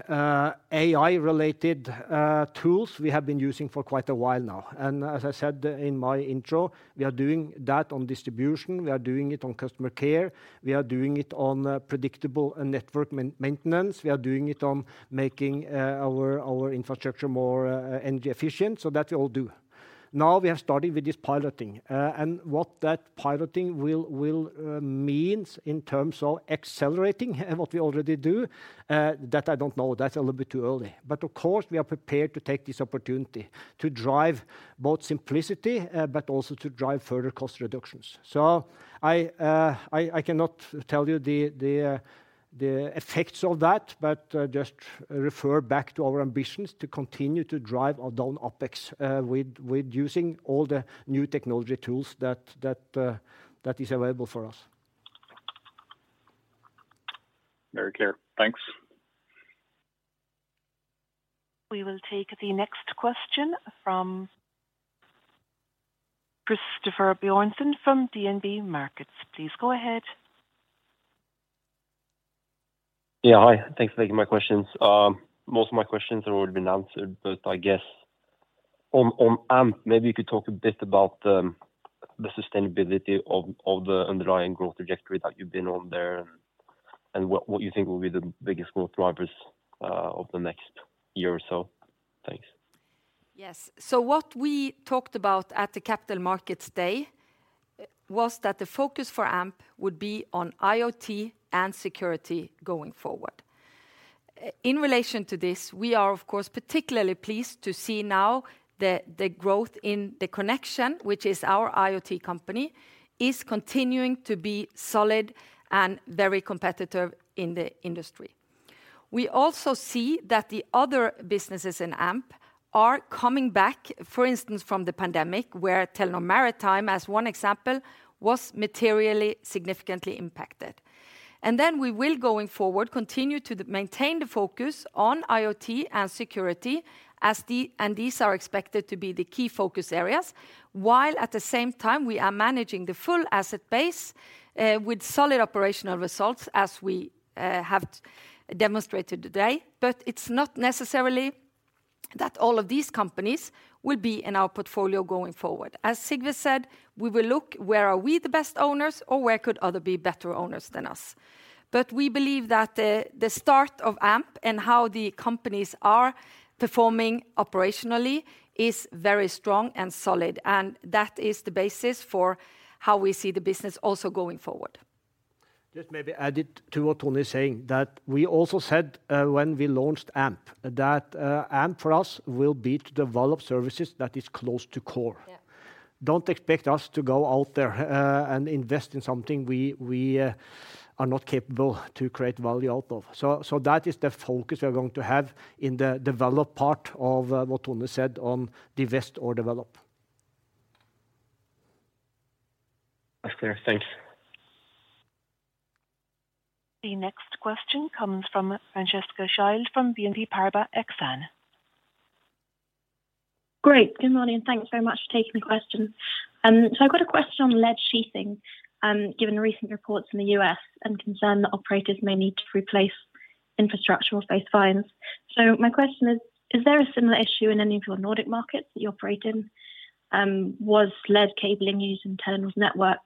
AI-related tools, we have been using for quite a while now. As I said in my intro, we are doing that on distribution, we are doing it on customer care, we are doing it on predictable and network maintenance, we are doing it on making our infrastructure more energy efficient. That we all do. Now, we have started with this piloting. What that piloting will means in terms of accelerating what we already do, that I don't know. That's a little bit too early. Of course, we are prepared to take this opportunity to drive both simplicity, but also to drive further cost reductions. I cannot tell you the effects of that, but just refer back to our ambitions to continue to drive our down OpEx, with using all the new technology tools that is available for us. Very clear. Thanks. We will take the next question from Christoffer Bjørnsen from DNB Markets. Please go ahead. Yeah, hi. Thanks for taking my questions. Most of my questions have already been answered, but I guess on Telenor Amp, maybe you could talk a bit about the sustainability of the underlying growth trajectory that you've been on there, and what you think will be the biggest growth drivers over the next year or so. Thanks. What we talked about at the Capital Markets Day was that the focus for Amp would be on IoT and security going forward. In relation to this, we are, of course, particularly pleased to see now the growth in Telenor Connexion, which is our IoT company, is continuing to be solid and very competitive in the industry. We also see that the other businesses in Amp are coming back, for instance, from the pandemic, where Telenor Maritime, as one example, was materially significantly impacted. We will, going forward, continue to maintain the focus on IoT and security, as these are expected to be the key focus areas, while at the same time, we are managing the full asset base with solid operational results, as we have demonstrated today. It's not necessarily that all of these companies will be in our portfolio going forward. As Sigve said, we will look where are we the best owners or where could other be better owners than us? We believe that the start of Amp and how the companies are performing operationally is very strong and solid, and that is the basis for how we see the business also going forward. Just maybe add it to what Tone is saying, that we also said, when we launched Amp, that Amp for us will be to develop services that is close to core. Don't expect us to go out there, and invest in something we are not capable to create value out of. That is the focus we are going to have in the develop part of, what Tone said on divest or develop. That's clear. Thanks. The next question comes from Francesca Schild from BNP Paribas Exane. Great. Good morning, and thanks very much for taking the question. I've got a question on lead sheathing, given the recent reports in the US and concern that operators may need to replace infrastructural base fines. My question is: Is there a similar issue in any of your Nordic markets that you operate in? Was lead cabling used in Telenor's network,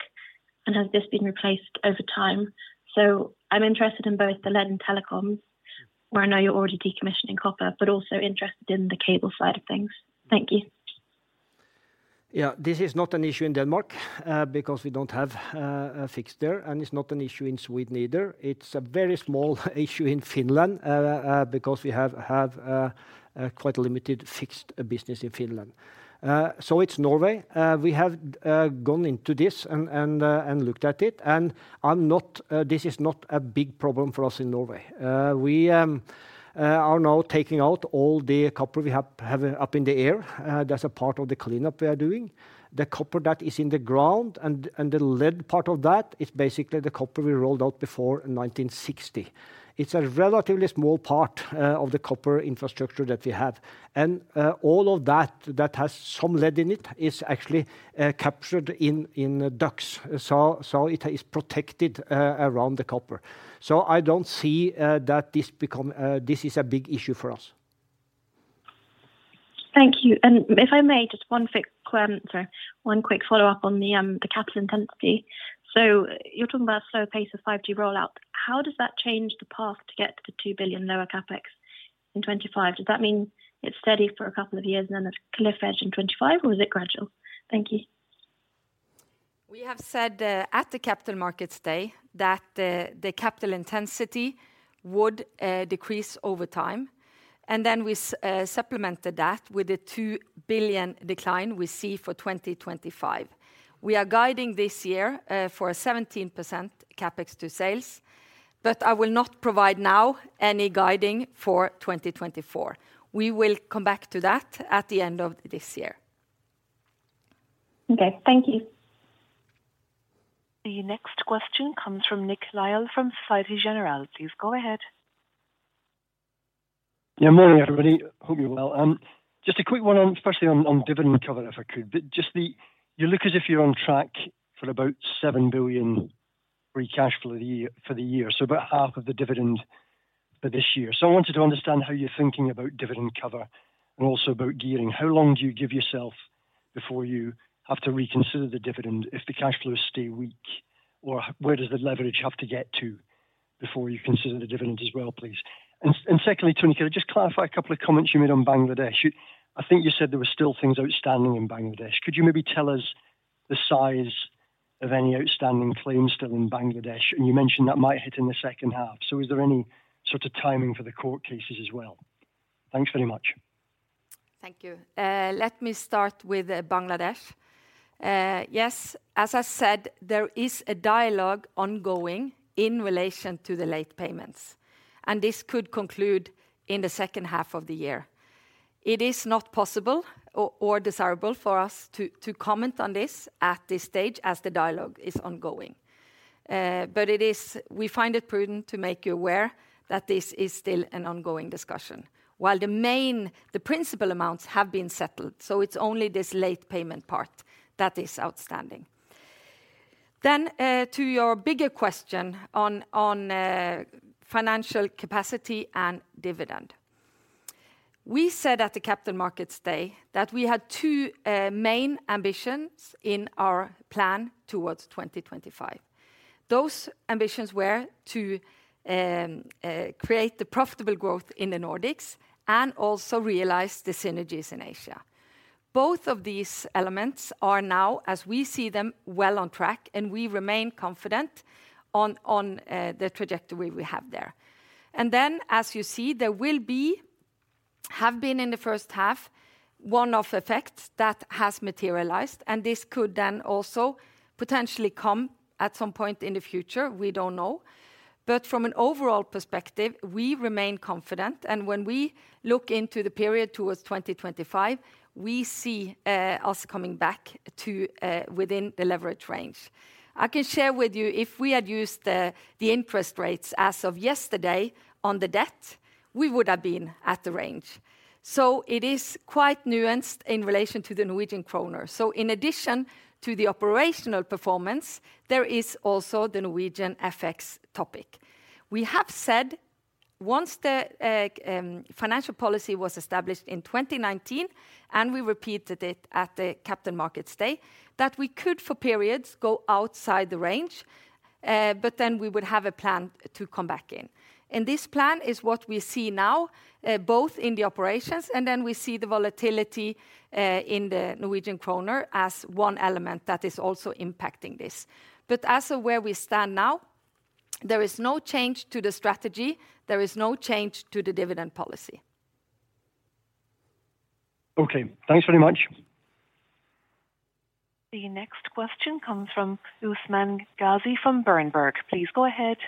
and has this been replaced over time? I'm interested in both the lead and telecoms, where I know you're already decommissioning copper, but also interested in the cable side of things. Thank you. This is not an issue in Denmark because we don't have a fixed there, and it's not an issue in Sweden either. It's a very small issue in Finland because we have a quite limited fixed business in Finland. It's Norway. We have gone into this and looked at it, and this is not a big problem for us in Norway. We are now taking out all the copper we have up in the air. That's a part of the cleanup we are doing. The copper that is in the ground and the lead part of that is basically the copper we rolled out before 1960. It's a relatively small part of the copper infrastructure that we have. All of that that has some lead in it is actually captured in ducts. It is protected around the copper. I don't see that this is a big issue for us. Thank you. If I may, Sorry, one quick follow-up on the capital intensity. You're talking about a slower pace of 5G rollout. How does that change the path to get to 2 billion lower CapEx in 2025? Does that mean it's steady for a couple of years, and then there's a cliff edge in 2025, or is it gradual? Thank you. We have said at the Capital Markets Day that the capital intensity would decrease over time. We supplemented that with a 2 billion decline we see for 2025. We are guiding this year for a 17% CapEx to sales. I will not provide now any guiding for 2024. We will come back to that at the end of this year. Okay, thank you. The next question comes from Nick Lyall from Societe Generale. Please go ahead. Yeah, morning, everybody. Hope you're well. Just a quick one on, firstly on dividend cover, if I could. You look as if you're on track for about 7 billion free cash flow of the year, for the year, so about half of the dividend for this year. I wanted to understand how you're thinking about dividend cover and also about gearing. How long do you give yourself before you have to reconsider the dividend if the cash flows stay weak, or where does the leverage have to get to before you consider the dividend as well, please? Secondly, Tone, could I just clarify a couple of comments you made on Bangladesh? I think you said there were still things outstanding in Bangladesh. Could you maybe tell us the size of any outstanding claims still in Bangladesh? You mentioned that might hit in the second half, so is there any sort of timing for the court cases as well? Thanks very much. Thank you. Let me start with Bangladesh. Yes, as I said, there is a dialogue ongoing in relation to the late payments. This could conclude in the second half of the year. It is not possible or desirable for us to comment on this at this stage as the dialogue is ongoing. We find it prudent to make you aware that this is still an ongoing discussion, while the principal amounts have been settled. It's only this late payment part that is outstanding. To your bigger question on financial capacity and dividend. We said at the Capital Markets Day that we had two main ambitions in our plan towards 2025. Those ambitions were to create the profitable growth in the Nordics and also realize the synergies in Asia. Both of these elements are now, as we see them, well on track. We remain confident on the trajectory we have there. As you see, there have been in the first half, one-off effects that has materialized. This could then also potentially come at some point in the future, we don't know. From an overall perspective, we remain confident. When we look into the period towards 2025, we see us coming back to within the leverage range. I can share with you, if we had used the interest rates as of yesterday on the debt, we would have been at the range. It is quite nuanced in relation to the Norwegian kroner. In addition to the operational performance, there is also the Norwegian FX topic. We have said-... Once the financial policy was established in 2019, and we repeated it at the Capital Markets Day, that we could, for periods, go outside the range, but then we would have a plan to come back in. This plan is what we see now, both in the operations, and then we see the volatility in the Norwegian kroner as one element that is also impacting this. As of where we stand now, there is no change to the strategy. There is no change to the dividend policy. Okay, thanks very much. The next question comes from Usman Ghazi from Berenberg. Please go ahead.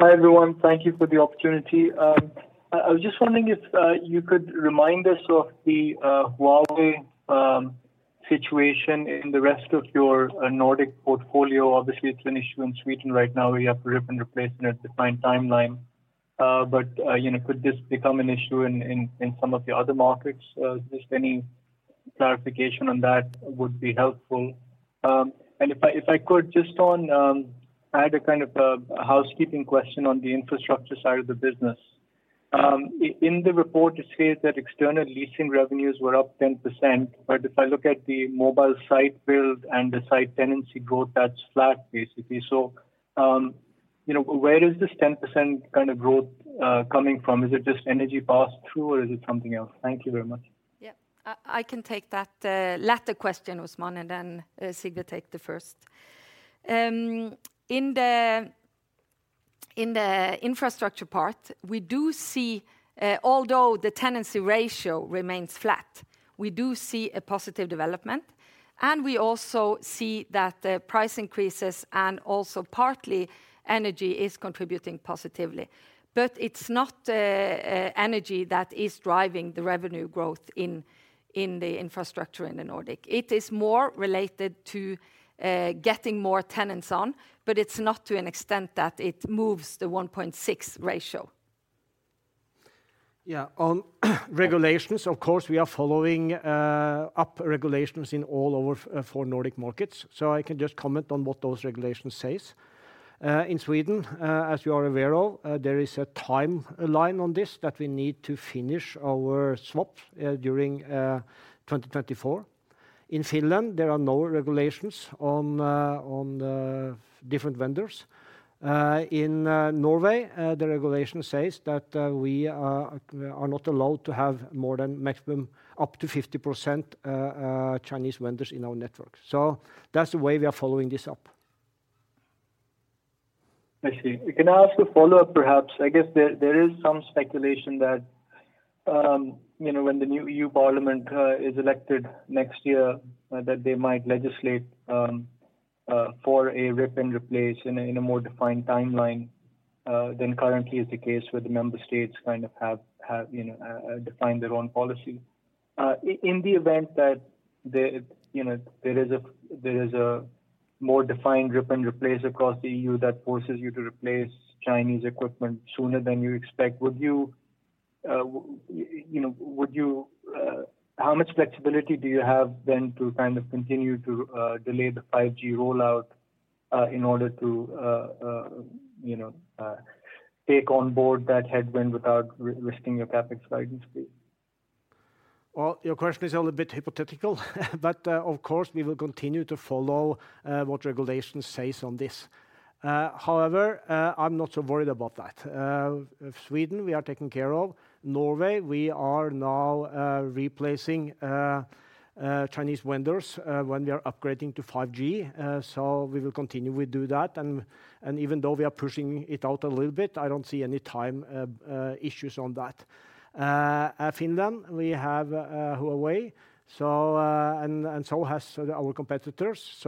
Hi, everyone. Thank you for the opportunity. I was just wondering if you could remind us of the Huawei situation in the rest of your Nordic portfolio. Obviously, it's an issue in Sweden right now, where you have to rip and replace in a defined timeline. You know, could this become an issue in some of the other markets? Just any clarification on that would be helpful. If I, if I could, just on... I had a kind of housekeeping question on the infrastructure side of the business. In the report, it says that external leasing revenues were up 10%, but if I look at the mobile site build and the site tenancy growth, that's flat, basically. You know, where is this 10% kind of growth coming from? Is it just energy pass-through, or is it something else? Thank you very much. Yeah. I can take that latter question, Usman, and then Sigve take the first. In the infrastructure part, we do see, although the tenancy ratio remains flat, we do see a positive development, and we also see that the price increases and also partly energy is contributing positively. It's not energy that is driving the revenue growth in the infrastructure in the Nordic. It is more related to getting more tenants on, but it's not to an extent that it moves the 1.6 ratio. On regulations, of course, we are following up regulations in all over four Nordic markets, so I can just comment on what those regulations says. In Sweden, as you are aware of, there is a timeline on this that we need to finish our swap during 2024. In Finland, there are no regulations on the different vendors. In Norway, the regulation says that we are not allowed to have more than maximum up to 50% Chinese vendors in our network. That's the way we are following this up. I see. Can I ask a follow-up, perhaps? I guess there is some speculation that, you know, when the new European Parliament is elected next year, that they might legislate for a rip and replace in a more defined timeline than currently is the case, where the member states kind of have, you know, defined their own policy. In the event that there, you know, there is a more defined rip and replace across the EU that forces you to replace Chinese equipment sooner than you expect, would you know, would you? How much flexibility do you have then to kind of continue to delay the 5G rollout in order to you know take on board that headwind without risking your CapEx guidance, please? Well, your question is a little bit hypothetical, but, of course, we will continue to follow what regulations says on this. However, I'm not so worried about that. Sweden, we are taking care of. Norway, we are now replacing Chinese vendors when we are upgrading to 5G. We will continue, we do that, and even though we are pushing it out a little bit, I don't see any time issues on that. At Finland, we have Huawei, so and so has our competitors.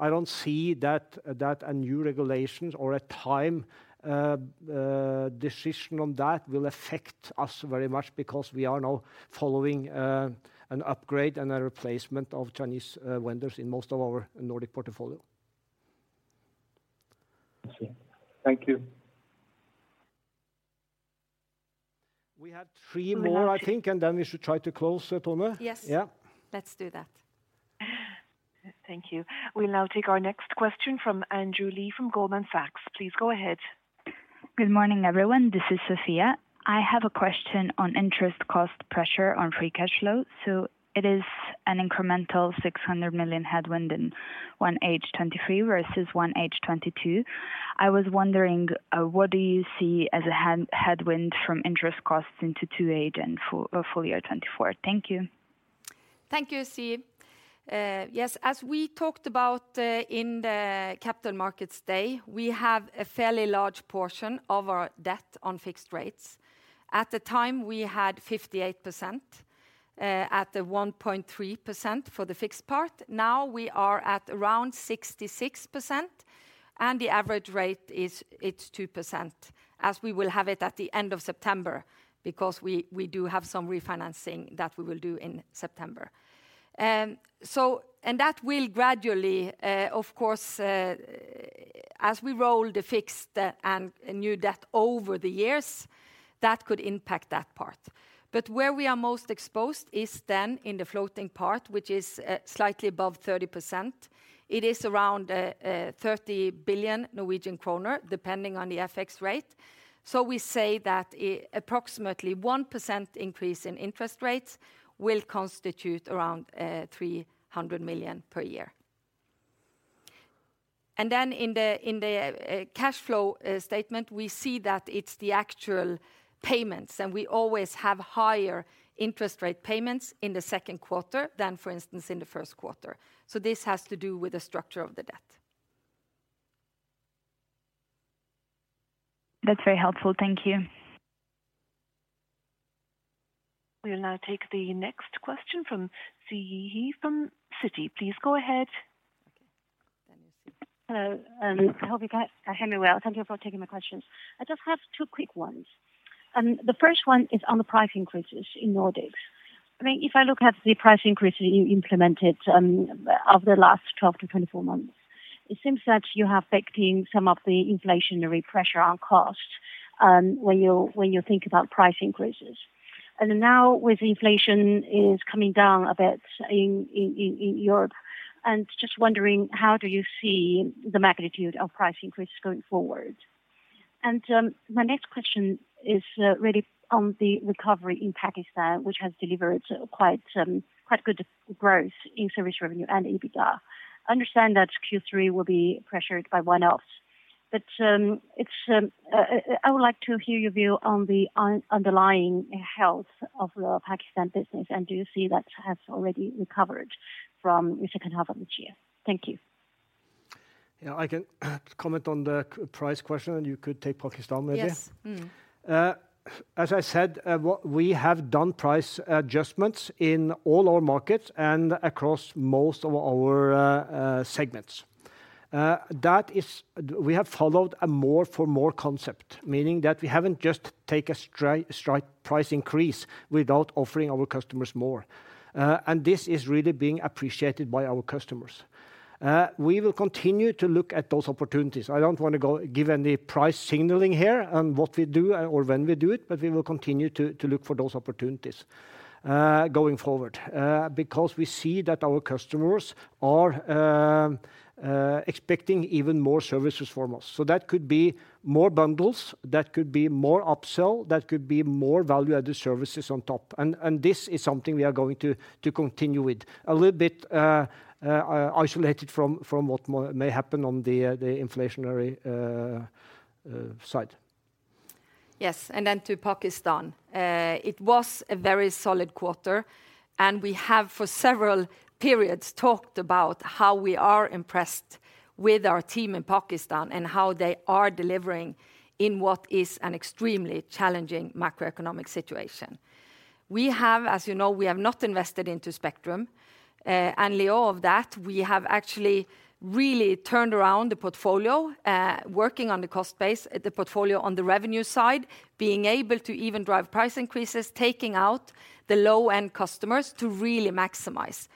I don't see that a new regulations or a time decision on that will affect us very much, because we are now following an upgrade and a replacement of Chinese vendors in most of our Nordic portfolio. I see. Thank you. We have three more. We might- I think, and then we should try to close, Tone. Yes. Yeah. Let's do that. Thank you. We'll now take our next question from Andrew Lee from Goldman Sachs. Please go ahead. Good morning, everyone. This is Sophia. I have a question on interest cost pressure on free cash flow. It is an incremental 600 million headwind in 1H 2023 versus 1H 2022. I was wondering what do you see as a headwind from interest costs into 2H and full year 2024? Thank you. Thank you, Sophia. Yes, as we talked about in the Capital Markets Day, we have a fairly large portion of our debt on fixed rates. At the time, we had 58% at the 1.3% for the fixed part. Now, we are at around 66%, and the average rate is, it's 2%, as we will have it at the end of September, because we do have some refinancing that we will do in September. That will gradually, of course, as we roll the fixed and a new debt over the years, that could impact that part. Where we are most exposed is then in the floating part, which is slightly above 30%. It is around 30 billion Norwegian kroner, depending on the FX rate. We say that, approximately 1% increase in interest rates will constitute around 300 million per year. In the, in the, cash flow statement, we see that it is the actual payments, and we always have higher interest rate payments in the second quarter than, for instance, in the first quarter. This has to do with the structure of the debt. That's very helpful. Thank you. We will now take the next question from CE, from Citi. Please go ahead. Hello, I hope you can hear me well. Thank you for taking my questions. I just have two quick ones. The first one is on the price increases in Nordics. I mean, if I look at the price increases you implemented, over the last 12-24 months, it seems that you have backed in some of the inflationary pressure on costs, when you think about price increases. Now with inflation is coming down a bit in Europe, and just wondering, how do you see the magnitude of price increases going forward? My next question is, really on the recovery in Pakistan, which has delivered quite good growth in service revenue and EBITDA. I understand that Q3 will be pressured by one-offs, but I would like to hear your view on the underlying health of the Pakistan business, and do you see that has already recovered from the second half of the year? Thank you. Yeah, I can comment on the price question. You could take Pakistan, maybe. Yes. Mm. As I said, what we have done price adjustments in all our markets and across most of our segments. We have followed a more for more concept, meaning that we haven't just take a straight price increase without offering our customers more. This is really being appreciated by our customers. We will continue to look at those opportunities. I don't want to give any price signaling here on what we do or when we do it, but we will continue to look for those opportunities going forward. We see that our customers are expecting even more services from us. That could be more bundles, that could be more upsell, that could be more value-added services on top. This is something we are going to continue with, a little bit isolated from what may happen on the inflationary side. To Pakistan. It was a very solid quarter. We have, for several periods, talked about how we are impressed with our team in Pakistan and how they are delivering in what is an extremely challenging macroeconomic situation. We have, as you know, we have not invested into Spectrum, and in lieu of that, we have actually really turned around the portfolio, working on the cost base, the portfolio on the revenue side, being able to even drive price increases, taking out the low-end customers to really maximize.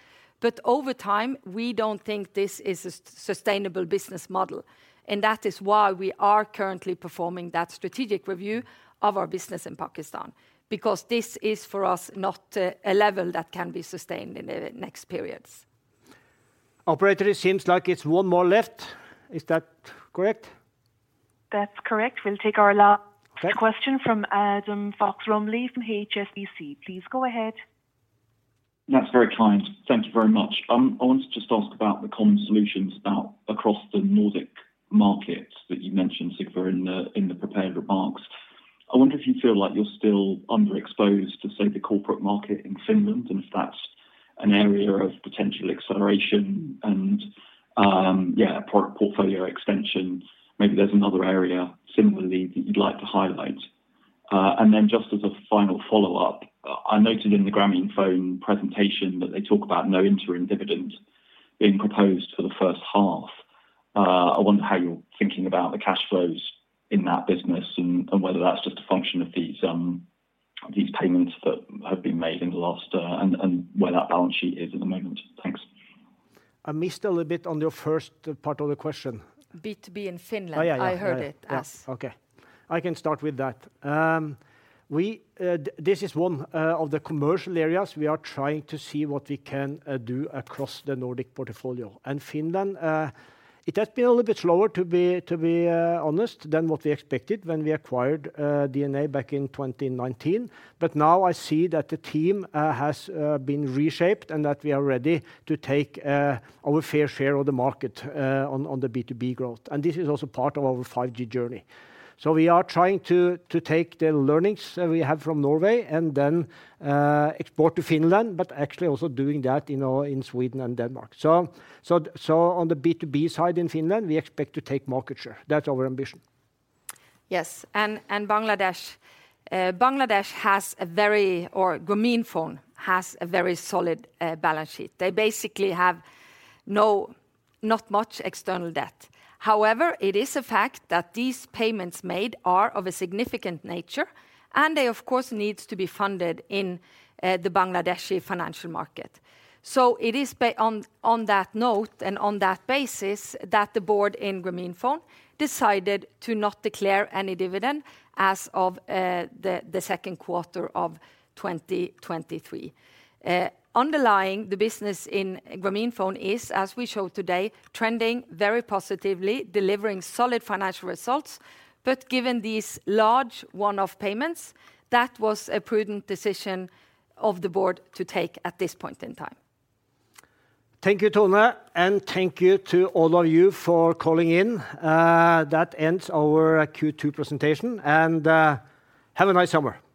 Over time, we don't think this is a sustainable business model. That is why we are currently performing that strategic review of our business in Pakistan, because this is, for us, not a level that can be sustained in the next periods. Operator, it seems like it's one more left. Is that correct? That's correct. We'll take our last- Okay Question from Adam Fox-Rumley from HSBC. Please go ahead. That's very kind. Thank you very much. I wanted to just ask about the comm solutions about across the Nordic markets that you mentioned, Sigve, in the prepared remarks. I wonder if you feel like you're still underexposed to, say, the corporate market in Finland, and if that's an area of potential acceleration and, yeah, portfolio extension. Maybe there's another area, similarly, that you'd like to highlight. Just as a final follow-up, I noted in the Grameenphone presentation that they talk about no interim dividend being proposed for the first half. I wonder how you're thinking about the cash flows in that business and whether that's just a function of these payments that have been made in the last. Where that balance sheet is at the moment. Thanks. I missed a little bit on your first part of the question. B2B in Finland. Oh, yeah. I heard it, yes. Okay. I can start with that. We, this is one of the commercial areas we are trying to see what we can do across the Nordic portfolio. Finland, it has been a little bit slower, to be honest, than what we expected when we acquired DNA back in 2019. Now I see that the team has been reshaped and that we are ready to take our fair share of the market on the B2B growth. This is also part of our 5G journey. We are trying to take the learnings that we have from Norway and then export to Finland, but actually also doing that, you know, in Sweden and Denmark. On the B2B side in Finland, we expect to take market share. That's our ambition. Yes, and Bangladesh. Bangladesh has a very solid balance sheet. They basically have no, not much external debt. However, it is a fact that these payments made are of a significant nature, and they, of course, needs to be funded in the Bangladeshi financial market. It is on that note and on that basis, that the board in Grameenphone decided to not declare any dividend as of the second quarter of 2023. Underlying the business in Grameenphone is, as we showed today, trending very positively, delivering solid financial results. Given these large one-off payments, that was a prudent decision of the board to take at this point in time. Thank you, Tone, and thank you to all of you for calling in. That ends our Q2 presentation, and have a nice summer. Bye.